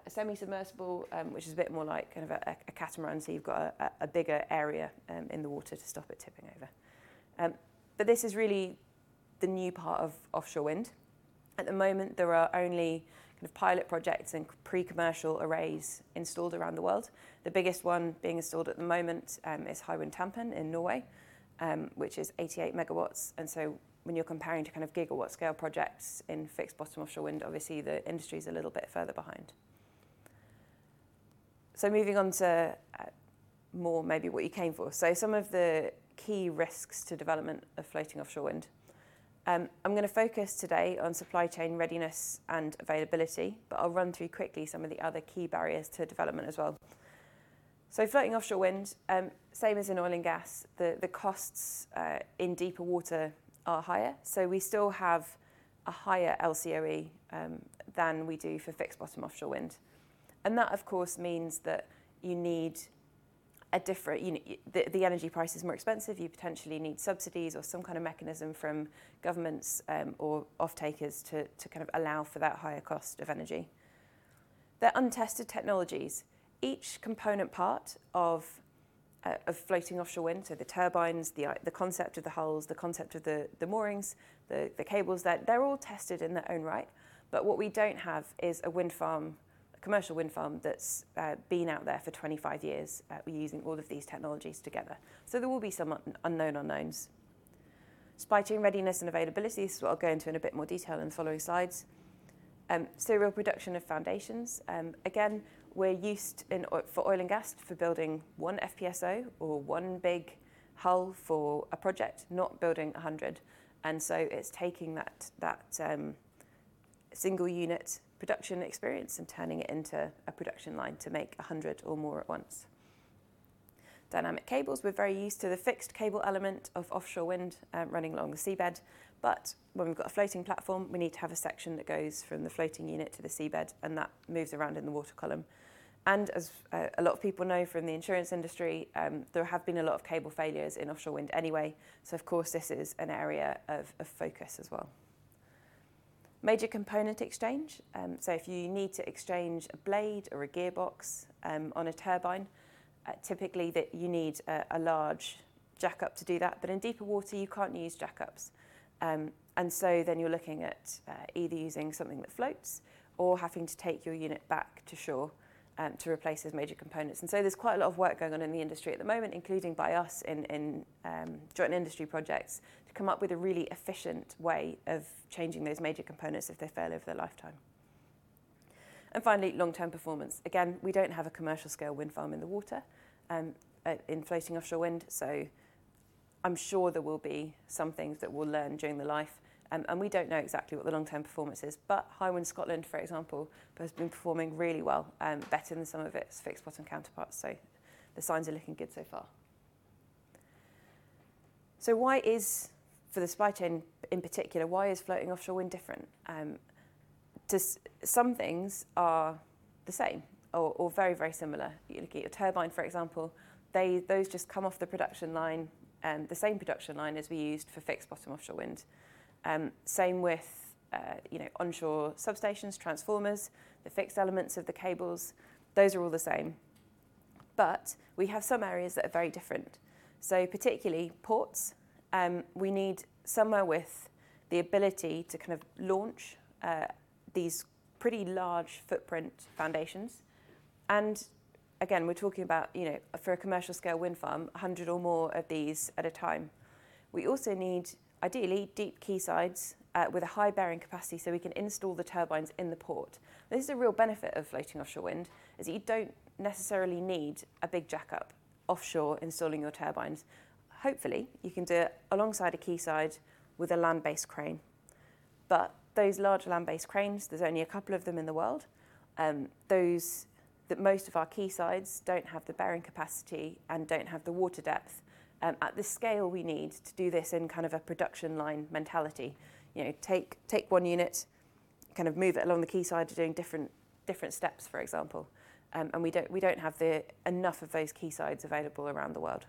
semi-submersible, which is a bit more like kind of a catamaran, so you've got a bigger area in the water to stop it tipping over. This is really the new part of offshore wind. At the moment, there are only kind of pilot projects and pre-commercial arrays installed around the world. The biggest one being installed at the moment is Hywind Tampen in Norway, which is 88 MW. When you're comparing to kind of gigawatt scale projects in fixed bottom offshore wind, obviously the industry's a little bit further behind. Moving on to more maybe what you came for. Some of the key risks to development of floating offshore wind. I'm gonna focus today on supply chain readiness and availability, but I'll run through quickly some of the other key barriers to development as well. Floating offshore wind, same Oil & Gas, the costs in deeper water are higher. We still have a higher LCOE than we do for fixed bottom offshore wind. That of course means that you need a different. The energy price is more expensive. You potentially need subsidies or some kind of mechanism from governments, or off-takers to kind of allow for that higher cost of energy. They're untested technologies. Each component part of floating offshore wind, so the turbines, the concept of the hulls, the concept of the moorings, the cables, they're all tested in their own right. What we don't have is a wind farm, a commercial wind farm that's been out there for 25 years, using all of these technologies together. There will be some unknown unknowns. Supply chain readiness and availability. I'll go into it in a bit more detail in the following slides. Serial production of foundations. Again, we're Oil & Gas, building one FPSO or one big hull for a project, not building 100 units. It's taking that single unit production experience and turning it into a production line to make 100 units or more at once. Dynamic cables. We're very used to the fixed cable element of offshore wind, running along the seabed. When we've got a floating platform, we need to have a section that goes from the floating unit to the seabed, and that moves around in the water column. As a lot of people know from the insurance industry, there have been a lot of cable failures in offshore wind anyway, so of course this is an area of focus as well. Major component exchange. If you need to exchange a blade or a gearbox on a turbine, typically that you need a large jack-up to do that. In deeper water, you can't use jack-ups. You're looking at either using something that floats or having to take your unit back to shore to replace those major components. There's quite a lot of work going on in the industry at the moment, including by us in joint industry projects to come up with a really efficient way of changing those major components if they fail over their lifetime. Finally, long-term performance. Again, we don't have a commercial scale wind farm in the water in floating offshore wind, so I'm sure there will be some things that we'll learn during the life. We don't know exactly what the long-term performance is, but Hywind Scotland, for example, has been performing really well, better than some of its fixed bottom counterparts. The signs are looking good so far. For the supply chain in particular, why is floating offshore wind different? Just some things are the same or very, very similar. You look at your turbine, for example, those just come off the production line, the same production line as we used for fixed bottom offshore wind. Same with, you know, onshore substations, transformers, the fixed elements of the cables, those are all the same. We have some areas that are very different. Particularly ports, we need somewhere with the ability to kind of launch these pretty large footprint foundations. Again, we're talking about, you know, for a commercial scale wind farm, 100 units or more of these at a time. We also need, ideally, deep quaysides, with a high bearing capacity, so we can install the turbines in the port. This is a real benefit of floating offshore wind, is that you don't necessarily need a big jack-up offshore installing your turbines. Hopefully, you can do it alongside a quayside with a land-based crane. Those large land-based cranes, there's only a couple of them in the world. Most of our quaysides don't have the bearing capacity and don't have the water depth, at the scale we need to do this in kind of a production line mentality. You know, take one unit, kind of move it along the quayside to doing different steps, for example. We don't have enough of those quaysides available around the world.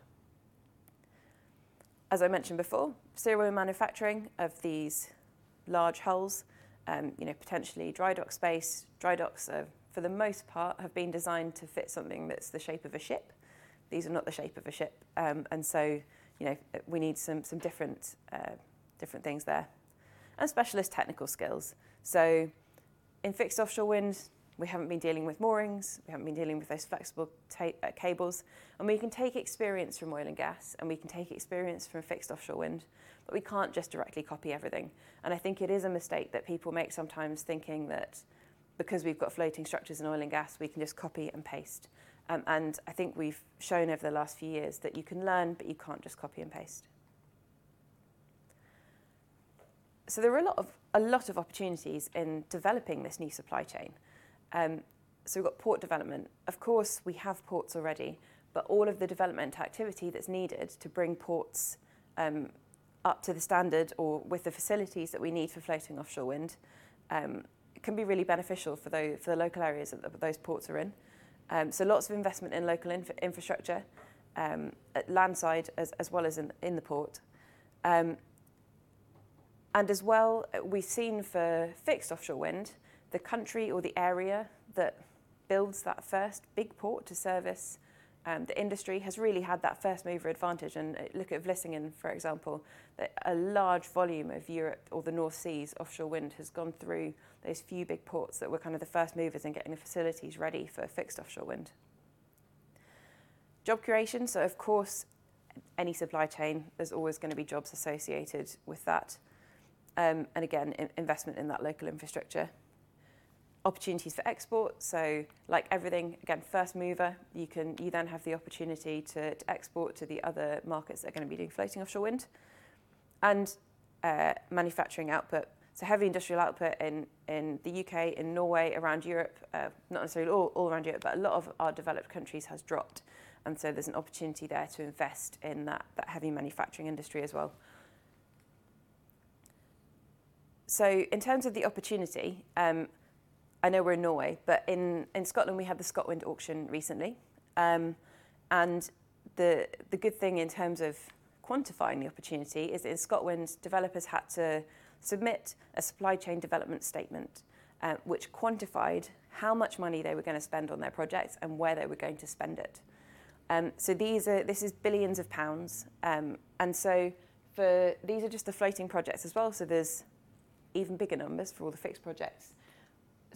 As I mentioned before, serial manufacturing of these large hulls, potentially dry dock space. Dry docks have, for the most part, been designed to fit something that's the shape of a ship. These are not the shape of a ship. You know, we need some different things there. Specialist technical skills. In fixed offshore wind, we haven't been dealing with moorings, we haven't been dealing with those flexible cables. I mean, you can take Oil & Gas, and we can take experience from fixed offshore wind, but we can't just directly copy everything. I think it is a mistake that people make sometimes thinking that because we've got floating Oil & Gas, we can just copy and paste. I think we've shown over the last few years that you can learn, but you can't just copy and paste. There are a lot of opportunities in developing this new supply chain. We've got port development. Of course, we have ports already, but all of the development activity that's needed to bring ports up to the standard or with the facilities that we need for floating offshore wind can be really beneficial for the local areas that those ports are in. Lots of investment in local infrastructure at land side as well as in the port. As well, we've seen for fixed offshore wind, the country or the area that builds that first big port to service the industry has really had that first-mover advantage. Look at Vlissingen, for example, that a large volume of Europe's or the North Sea's offshore wind has gone through those few big ports that were kind of the first movers in getting the facilities ready for fixed offshore wind. Job creation. Of course, any supply chain, there's always gonna be jobs associated with that. Again, investment in that local infrastructure. Opportunities for export. Like everything, again, first mover, you can you then have the opportunity to export to the other markets that are gonna be doing floating offshore wind. Manufacturing output. Heavy industrial output in the U.K., in Norway, around Europe, not necessarily all around Europe, but a lot of our developed countries has dropped. There's an opportunity there to invest in that heavy manufacturing industry as well. In terms of the opportunity, I know we're in Norway, but in Scotland, we had the ScotWind auction recently. The good thing in terms of quantifying the opportunity is ScotWind's developers had to submit a supply chain development statement, which quantified how much money they were gonna spend on their projects and where they were going to spend it. This is billions of pounds. These are just the floating projects as well, so there's even bigger numbers for all the fixed projects.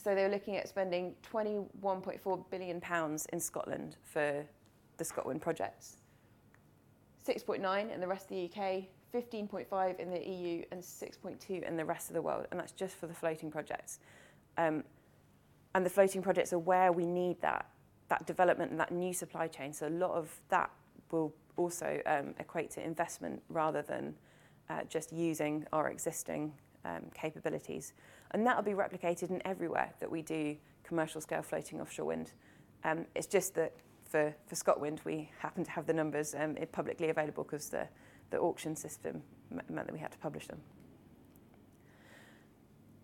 They're looking at spending 21.4 billion pounds in Scotland for the Scotland projects, 6.9 billion in the rest of the U.K., 15.5 billion in the EU, and 6.2 billion in the rest of the world, and that's just for the floating projects. The floating projects are where we need that development and that new supply chain. A lot of that will also equate to investment rather than just using our existing capabilities. That'll be replicated in everywhere that we do commercial scale floating offshore wind. It's just that for ScotWind, we happen to have the numbers it publicly available because the auction system meant that we had to publish them.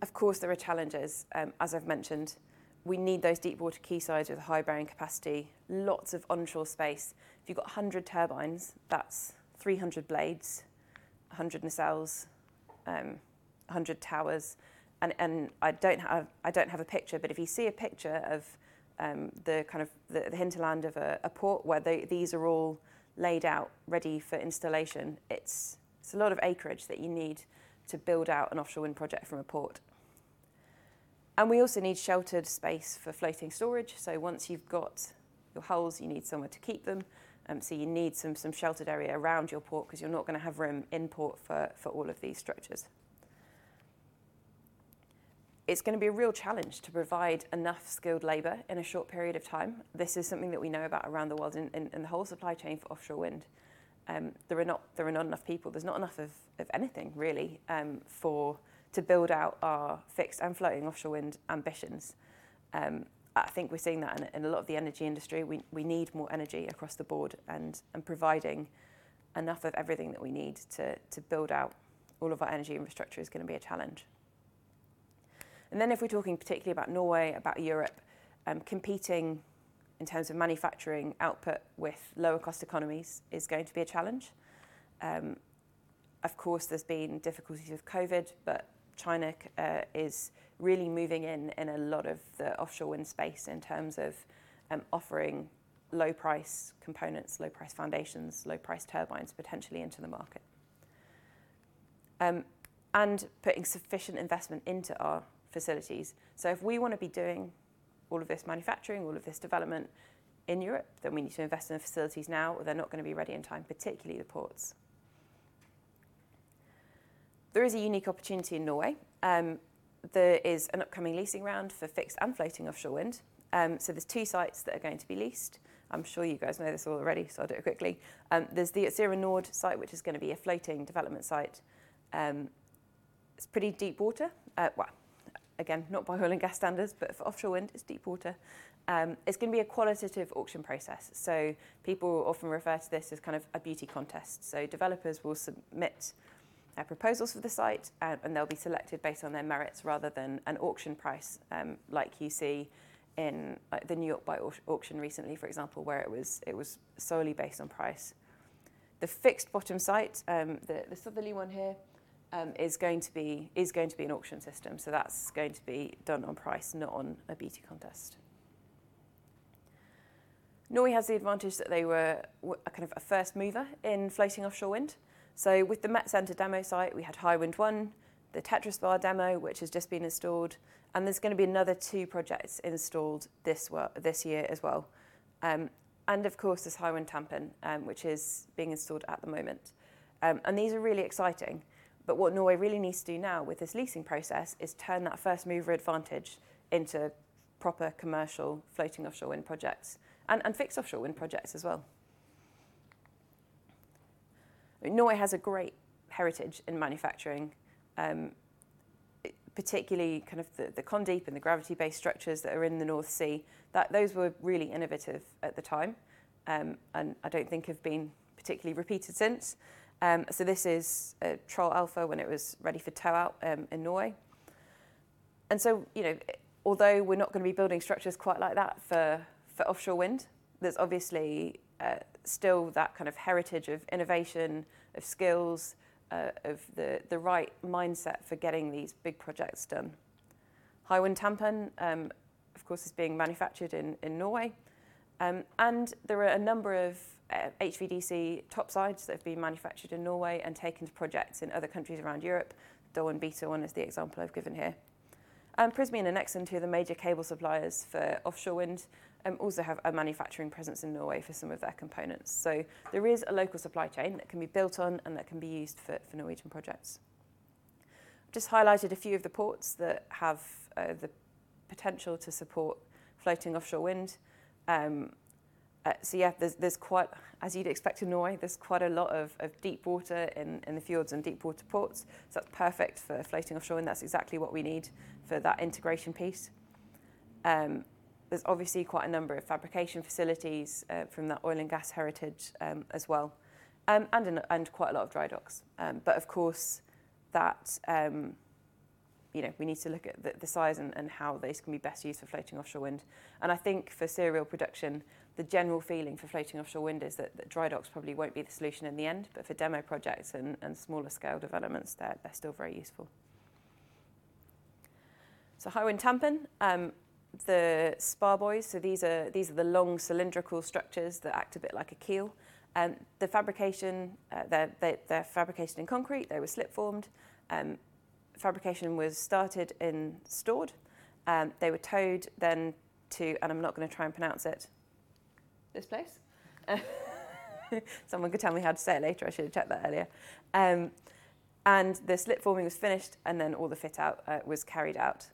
Of course, there are challenges. As I've mentioned, we need those deep water quaysides with high bearing capacity, lots of onshore space. If you've got 100 turbines, that's 300 blades, 100 nacelles, 100 towers. I don't have a picture, but if you see a picture of the kind of the hinterland of a port where they. These are all laid out ready for installation. It's a lot of acreage that you need to build out an offshore wind project from a port. We also need sheltered space for floating storage. Once you've got your hulls, you need somewhere to keep them. You need some sheltered area around your port because you're not gonna have room in port for all of these structures. It's gonna be a real challenge to provide enough skilled labor in a short period of time. This is something that we know about around the world in the whole supply chain for offshore wind. There are not enough people. There's not enough of anything really to build out our fixed and floating offshore wind ambitions. I think we're seeing that in a lot of the energy industry. We need more energy across the board, and providing enough of everything that we need to build out all of our energy infrastructure is gonna be a challenge. If we're talking particularly about Norway, about Europe, competing in terms of manufacturing output with lower cost economies is going to be a challenge. Of course, there's been difficulties with COVID, but China is really moving in a lot of the offshore wind space in terms of offering low price components, low price foundations, low price turbines potentially into the market, and putting sufficient investment into our facilities. If we wanna be doing all of this manufacturing, all of this development in Europe, then we need to invest in the facilities now, or they're not gonna be ready in time, particularly the ports. There is a unique opportunity in Norway. There is an upcoming leasing round for fixed and floating offshore wind. There's two sites that are going to be leased. I'm sure you guys know this already, so I'll do it quickly. There's the Utsira Nord site, which is gonna be a floating development site. It's pretty deep water. Well, again, Oil & Gas standards, but for offshore wind, it's deep water. It's gonna be a qualitative auction process. People often refer to this as kind of a beauty contest. Developers will submit proposals for the site, and they'll be selected based on their merits rather than an auction price, like you see in, like, the New York Bight auction recently, for example, where it was solely based on price. The fixed bottom site, the southerly one here, is going to be an auction system, so that's going to be done on price, not on a beauty contest. Norway has the advantage that they were a kind of a first mover in floating offshore wind. With the METCentre demo site, we had Hywind 1, the TetraSpar demo, which has just been installed, and there's gonna be another two projects installed this year as well. Of course, there's Hywind Tampen, which is being installed at the moment. These are really exciting. What Norway really needs to do now with this leasing process is turn that first-mover advantage into proper commercial floating offshore wind projects and fixed offshore wind projects as well. I mean, Norway has a great heritage in manufacturing, particularly kind of the Condeep and the gravity-based structures that are in the North Sea. Those were really innovative at the time, and I don't think have been particularly repeated since. This is Troll A when it was ready for tow out in Norway. You know, although we're not gonna be building structures quite like that for offshore wind, there's obviously still that kind of heritage of innovation, of skills, of the right mindset for getting these big projects done. Hywind Tampen, of course, is being manufactured in Norway. There are a number of HVDC topsides that have been manufactured in Norway and taken to projects in other countries around Europe. DolWin Beta is the example I've given here. Prysmian and Nexans are two of the major cable suppliers for offshore wind, also have a manufacturing presence in Norway for some of their components. There is a local supply chain that can be built on and that can be used for Norwegian projects. Just highlighted a few of the ports that have the potential to support floating offshore wind. As you'd expect in Norway, there's quite a lot of deep water in the fjords and deep water ports, so that's perfect for floating offshore wind. That's exactly what we need for that integration piece. There's obviously quite a number of fabrication facilities Oil & Gas heritage, as well, and quite a lot of dry docks. Of course that, you know, we need to look at the size and how these can be best used for floating offshore wind. I think for serial production, the general feeling for floating offshore wind is that dry docks probably won't be the solution in the end. For demo projects and smaller scale developments, they're still very useful. Hywind Tampen, the Spar Buoys, so these are the long cylindrical structures that act a bit like a keel. The fabrication, they're fabricated in concrete. They were slip formed. Fabrication was started in Stord. They were towed then to... and I'm not gonna try and pronounce it. This place. Someone could tell me how to say it later. I should have checked that earlier. The slip forming was finished, and then all the fit out was carried out.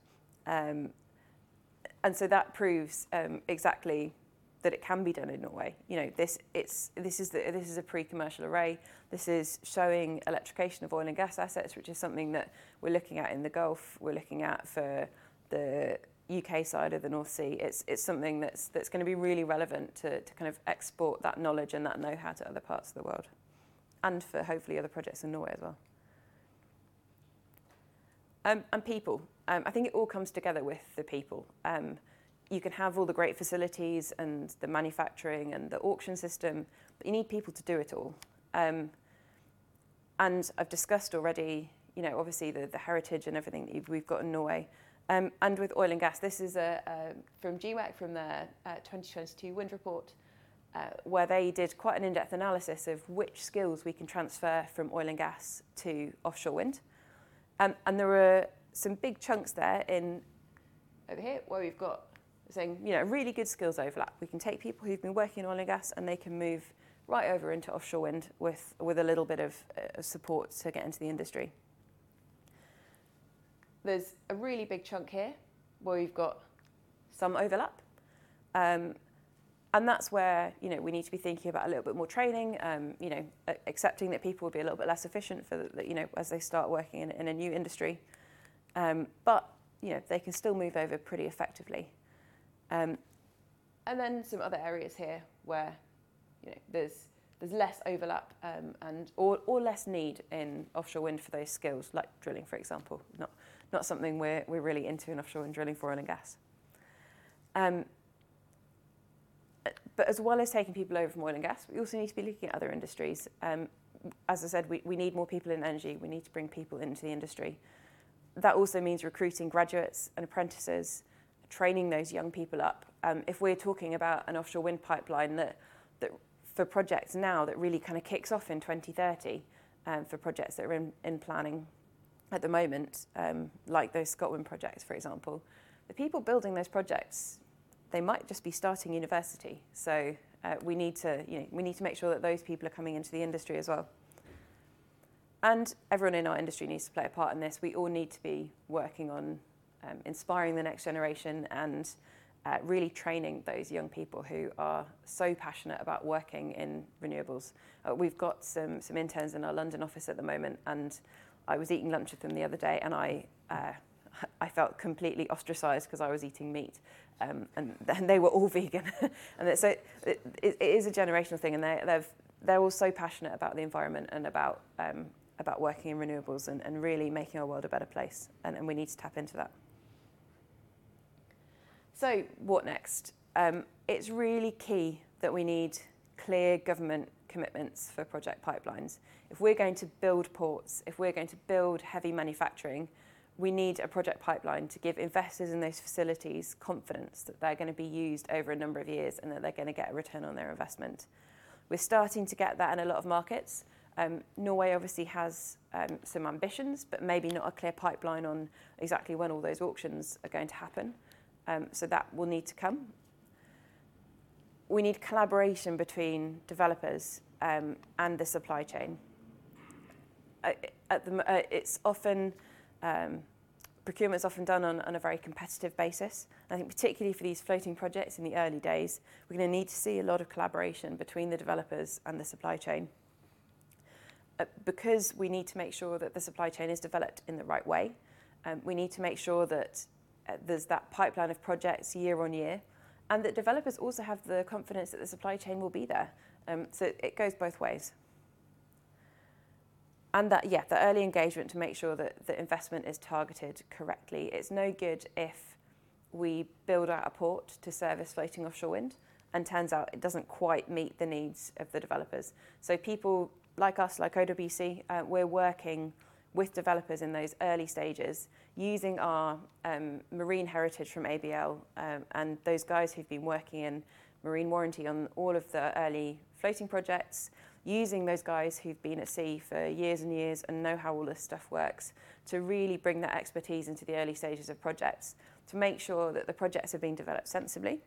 That proves exactly that it can be done in Norway. You know, this is a pre-commercial array. This is showing Oil & Gas assets, which is something that we're looking at in the Gulf, we're looking at for the U.K. side of the North Sea. It's something that's gonna be really relevant to kind of export that knowledge and that know-how to other parts of the world, and for hopefully other projects in Norway as well. People. I think it all comes together with the people. You can have all the great facilities and the manufacturing and the auction system, but you need people to do it all. I've discussed already, you know, obviously the heritage and everything we've got in Norway Oil & Gas. This is from GWEC the 2022 wind report, where they did quite an in-depth analysis of which skills we can Oil & Gas to offshore wind, and there were some big chunks there in over here where we've got saying, you know, really good skills overlap. We can take people who've been Oil & Gas, and they can move right over into offshore wind with a little bit of support to get into the industry. There's a really big chunk here where we've got some overlap, and that's where, you know, we need to be thinking about a little bit more training, you know, accepting that people will be a little bit less efficient for, you know, as they start working in a new industry. You know, they can still move over pretty effectively. Then some other areas here where, you know, there's less overlap, or less need in offshore wind for those skills, like drilling, for example, not something we're really into in offshore wind Oil & Gas. as well as taking people Oil & Gas, we also need to be looking at other industries. As I said, we need more people in energy. We need to bring people into the industry. That also means recruiting graduates and apprentices, training those young people up. If we're talking about an offshore wind pipeline that for projects now that really kinda kicks off in 2030, for projects that are in planning at the moment, like those Scotland projects, for example, the people building those projects, they might just be starting university, so we need to, you know, make sure that those people are coming into the industry as well. Everyone in our industry needs to play a part in this. We all need to be working on inspiring the next generation and really training those young people who are so passionate about working in renewables. We've got some interns in our London office at the moment, and I was eating lunch with them the other day, and I felt completely ostracized 'cause I was eating meat. They were all vegan. It is a generational thing, and they're all so passionate about the environment and about working in renewables and really making our world a better place, and we need to tap into that. What next? It's really key that we need clear government commitments for project pipelines. If we're going to build ports, if we're going to build heavy manufacturing, we need a project pipeline to give investors in those facilities confidence that they're gonna be used over a number of years, and that they're gonna get a return on their investment. We're starting to get that in a lot of markets. Norway obviously has some ambitions, but maybe not a clear pipeline on exactly when all those auctions are going to happen. That will need to come. We need collaboration between developers and the supply chain. It's often procurement's often done on a very competitive basis. I think particularly for these floating projects in the early days, we're gonna need to see a lot of collaboration between the developers and the supply chain, because we need to make sure that the supply chain is developed in the right way. We need to make sure that there's that pipeline of projects year on year, and that developers also have the confidence that the supply chain will be there. It goes both ways. That, yeah, the early engagement to make sure that the investment is targeted correctly. It's no good if we build out a port to service floating offshore wind, and it turns out it doesn't quite meet the needs of the developers. People like us, like OWC, we're working with developers in those early stages using our marine heritage from ABL, and those guys who've been working in marine warranty on all of the early floating projects, using those guys who've been at sea for years and years and know how all this stuff works to really bring that expertise into the early stages of projects to make sure that the projects are being developed sensibly,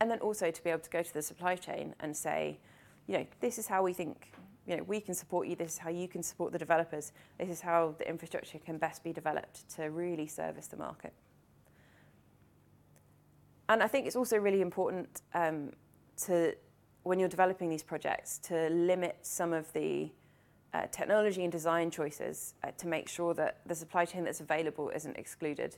and then also to be able to go to the supply chain and say, "You know, this is how we think, you know, we can support you. This is how you can support the developers. This is how the infrastructure can best be developed to really service the market." I think it's also really important when you're developing these projects, to limit some of the technology and design choices to make sure that the supply chain that's available isn't excluded,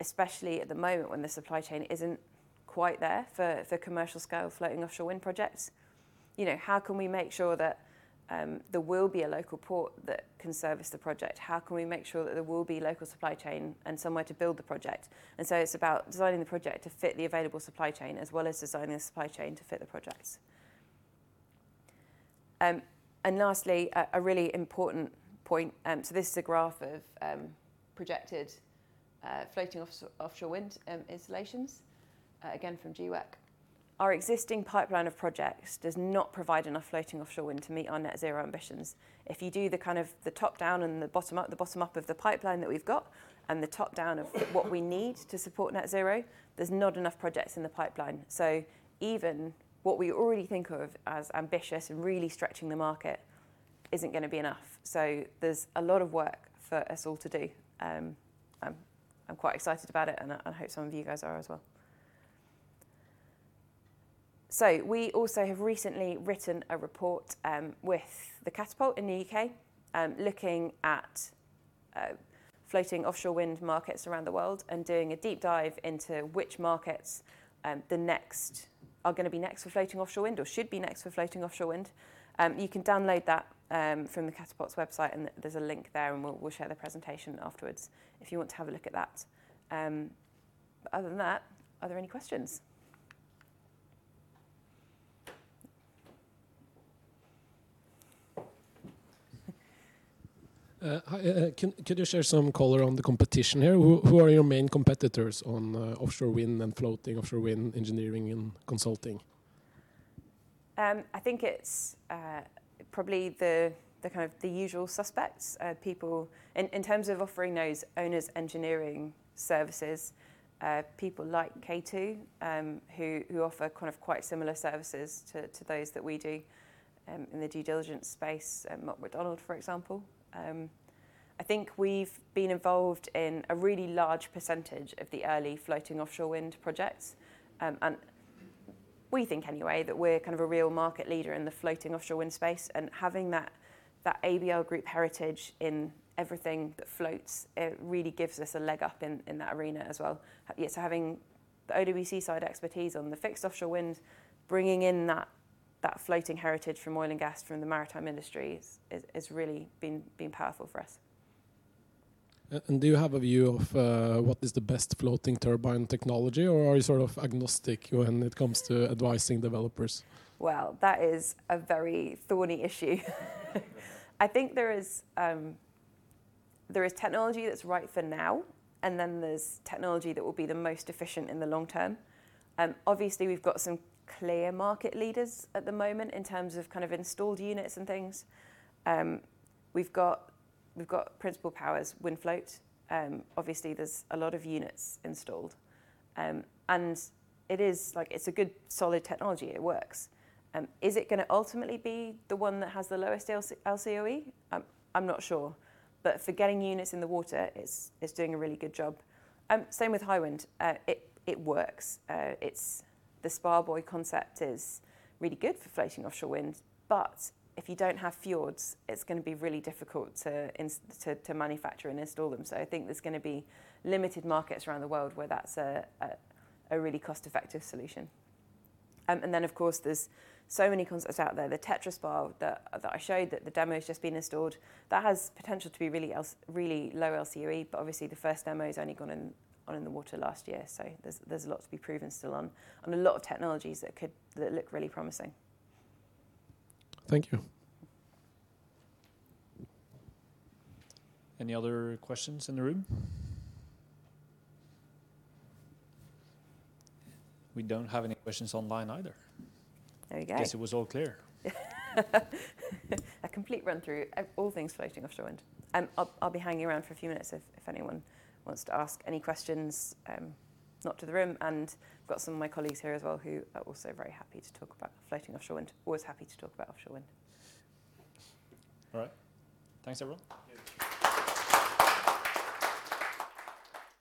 especially at the moment when the supply chain isn't quite there for commercial scale floating offshore wind projects. You know, how can we make sure that there will be a local port that can service the project? How can we make sure that there will be local supply chain and somewhere to build the project? It's about designing the project to fit the available supply chain as well as designing the supply chain to fit the projects. Lastly, a really important point. This is a graph of projected floating offshore wind installations, again from GWEC. Our existing pipeline of projects does not provide enough floating offshore wind to meet our net zero ambitions. If you do the kind of the top-down and the bottom up, the bottom up of the pipeline that we've got and the top-down of what we need to support net zero, there's not enough projects in the pipeline. Even what we already think of as ambitious and really stretching the market isn't gonna be enough. There's a lot of work for us all to do. I'm quite excited about it, and I hope some of you guys are as well. We also have recently written a report with ORE Catapult in the U.K., looking at floating offshore wind markets around the world and doing a deep dive into which markets are gonna be next for floating offshore wind or should be next for floating offshore wind. You can download that from ORE Catapult's website, and there's a link there, and we'll share the presentation afterwards if you want to have a look at that. Other than that, are there any questions? Hi. Could you share some color on the competition here? Who are your main competitors on offshore wind and floating offshore wind engineering and consulting? I think it's probably the kind of usual suspects, people in terms of offering those owners engineering services, people like K2, who offer kind of quite similar services to those that we do. In the due diligence space, Mott MacDonald, for example. I think we've been involved in a really large percentage of the early floating offshore wind projects. We think anyway that we're kind of a real market leader in the floating offshore wind space, and having that ABL Group heritage in everything that floats, it really gives us a leg up in that arena as well. Having the OWC side expertise on the fixed offshore wind, bringing in that floating Oil & Gas, from the Maritime industry is really been powerful for us. Do you have a view of what is the best floating turbine technology or are you sort of agnostic when it comes to advising developers? Well, that is a very thorny issue. I think there is technology that's right for now, and then there's technology that will be the most efficient in the long term. Obviously we've got some clear market leaders at the moment in terms of kind of installed units and things. We've got Principle Power's WindFloat. Obviously there's a lot of units installed. And it is like, it's a good solid technology. It works. Is it gonna ultimately be the one that has the lowest LCOE? I'm not sure. For getting units in the water, it's doing a really good job. Same with Hywind. It works. It's the spar buoy concept is really good for floating offshore wind. If you don't have fjords, it's gonna be really difficult to manufacture and install them. I think there's gonna be limited markets around the world where that's a really cost-effective solution. Of course, there's so many concepts out there. The TetraSpar that I showed, that the demo's just been installed, that has potential to be really low LCOE, but obviously the first demo's only gone in the water last year. There's a lot to be proven still on a lot of technologies that could that look really promising. Thank you. Any other questions in the room? We don't have any questions online either. There we go. Guess it was all clear. A complete run through of all things floating offshore wind. I'll be hanging around for a few minutes if anyone wants to ask any questions, not to the room. I've got some of my colleagues here as well who are also very happy to talk about floating offshore wind. Always happy to talk about offshore wind. All right. Thanks everyone.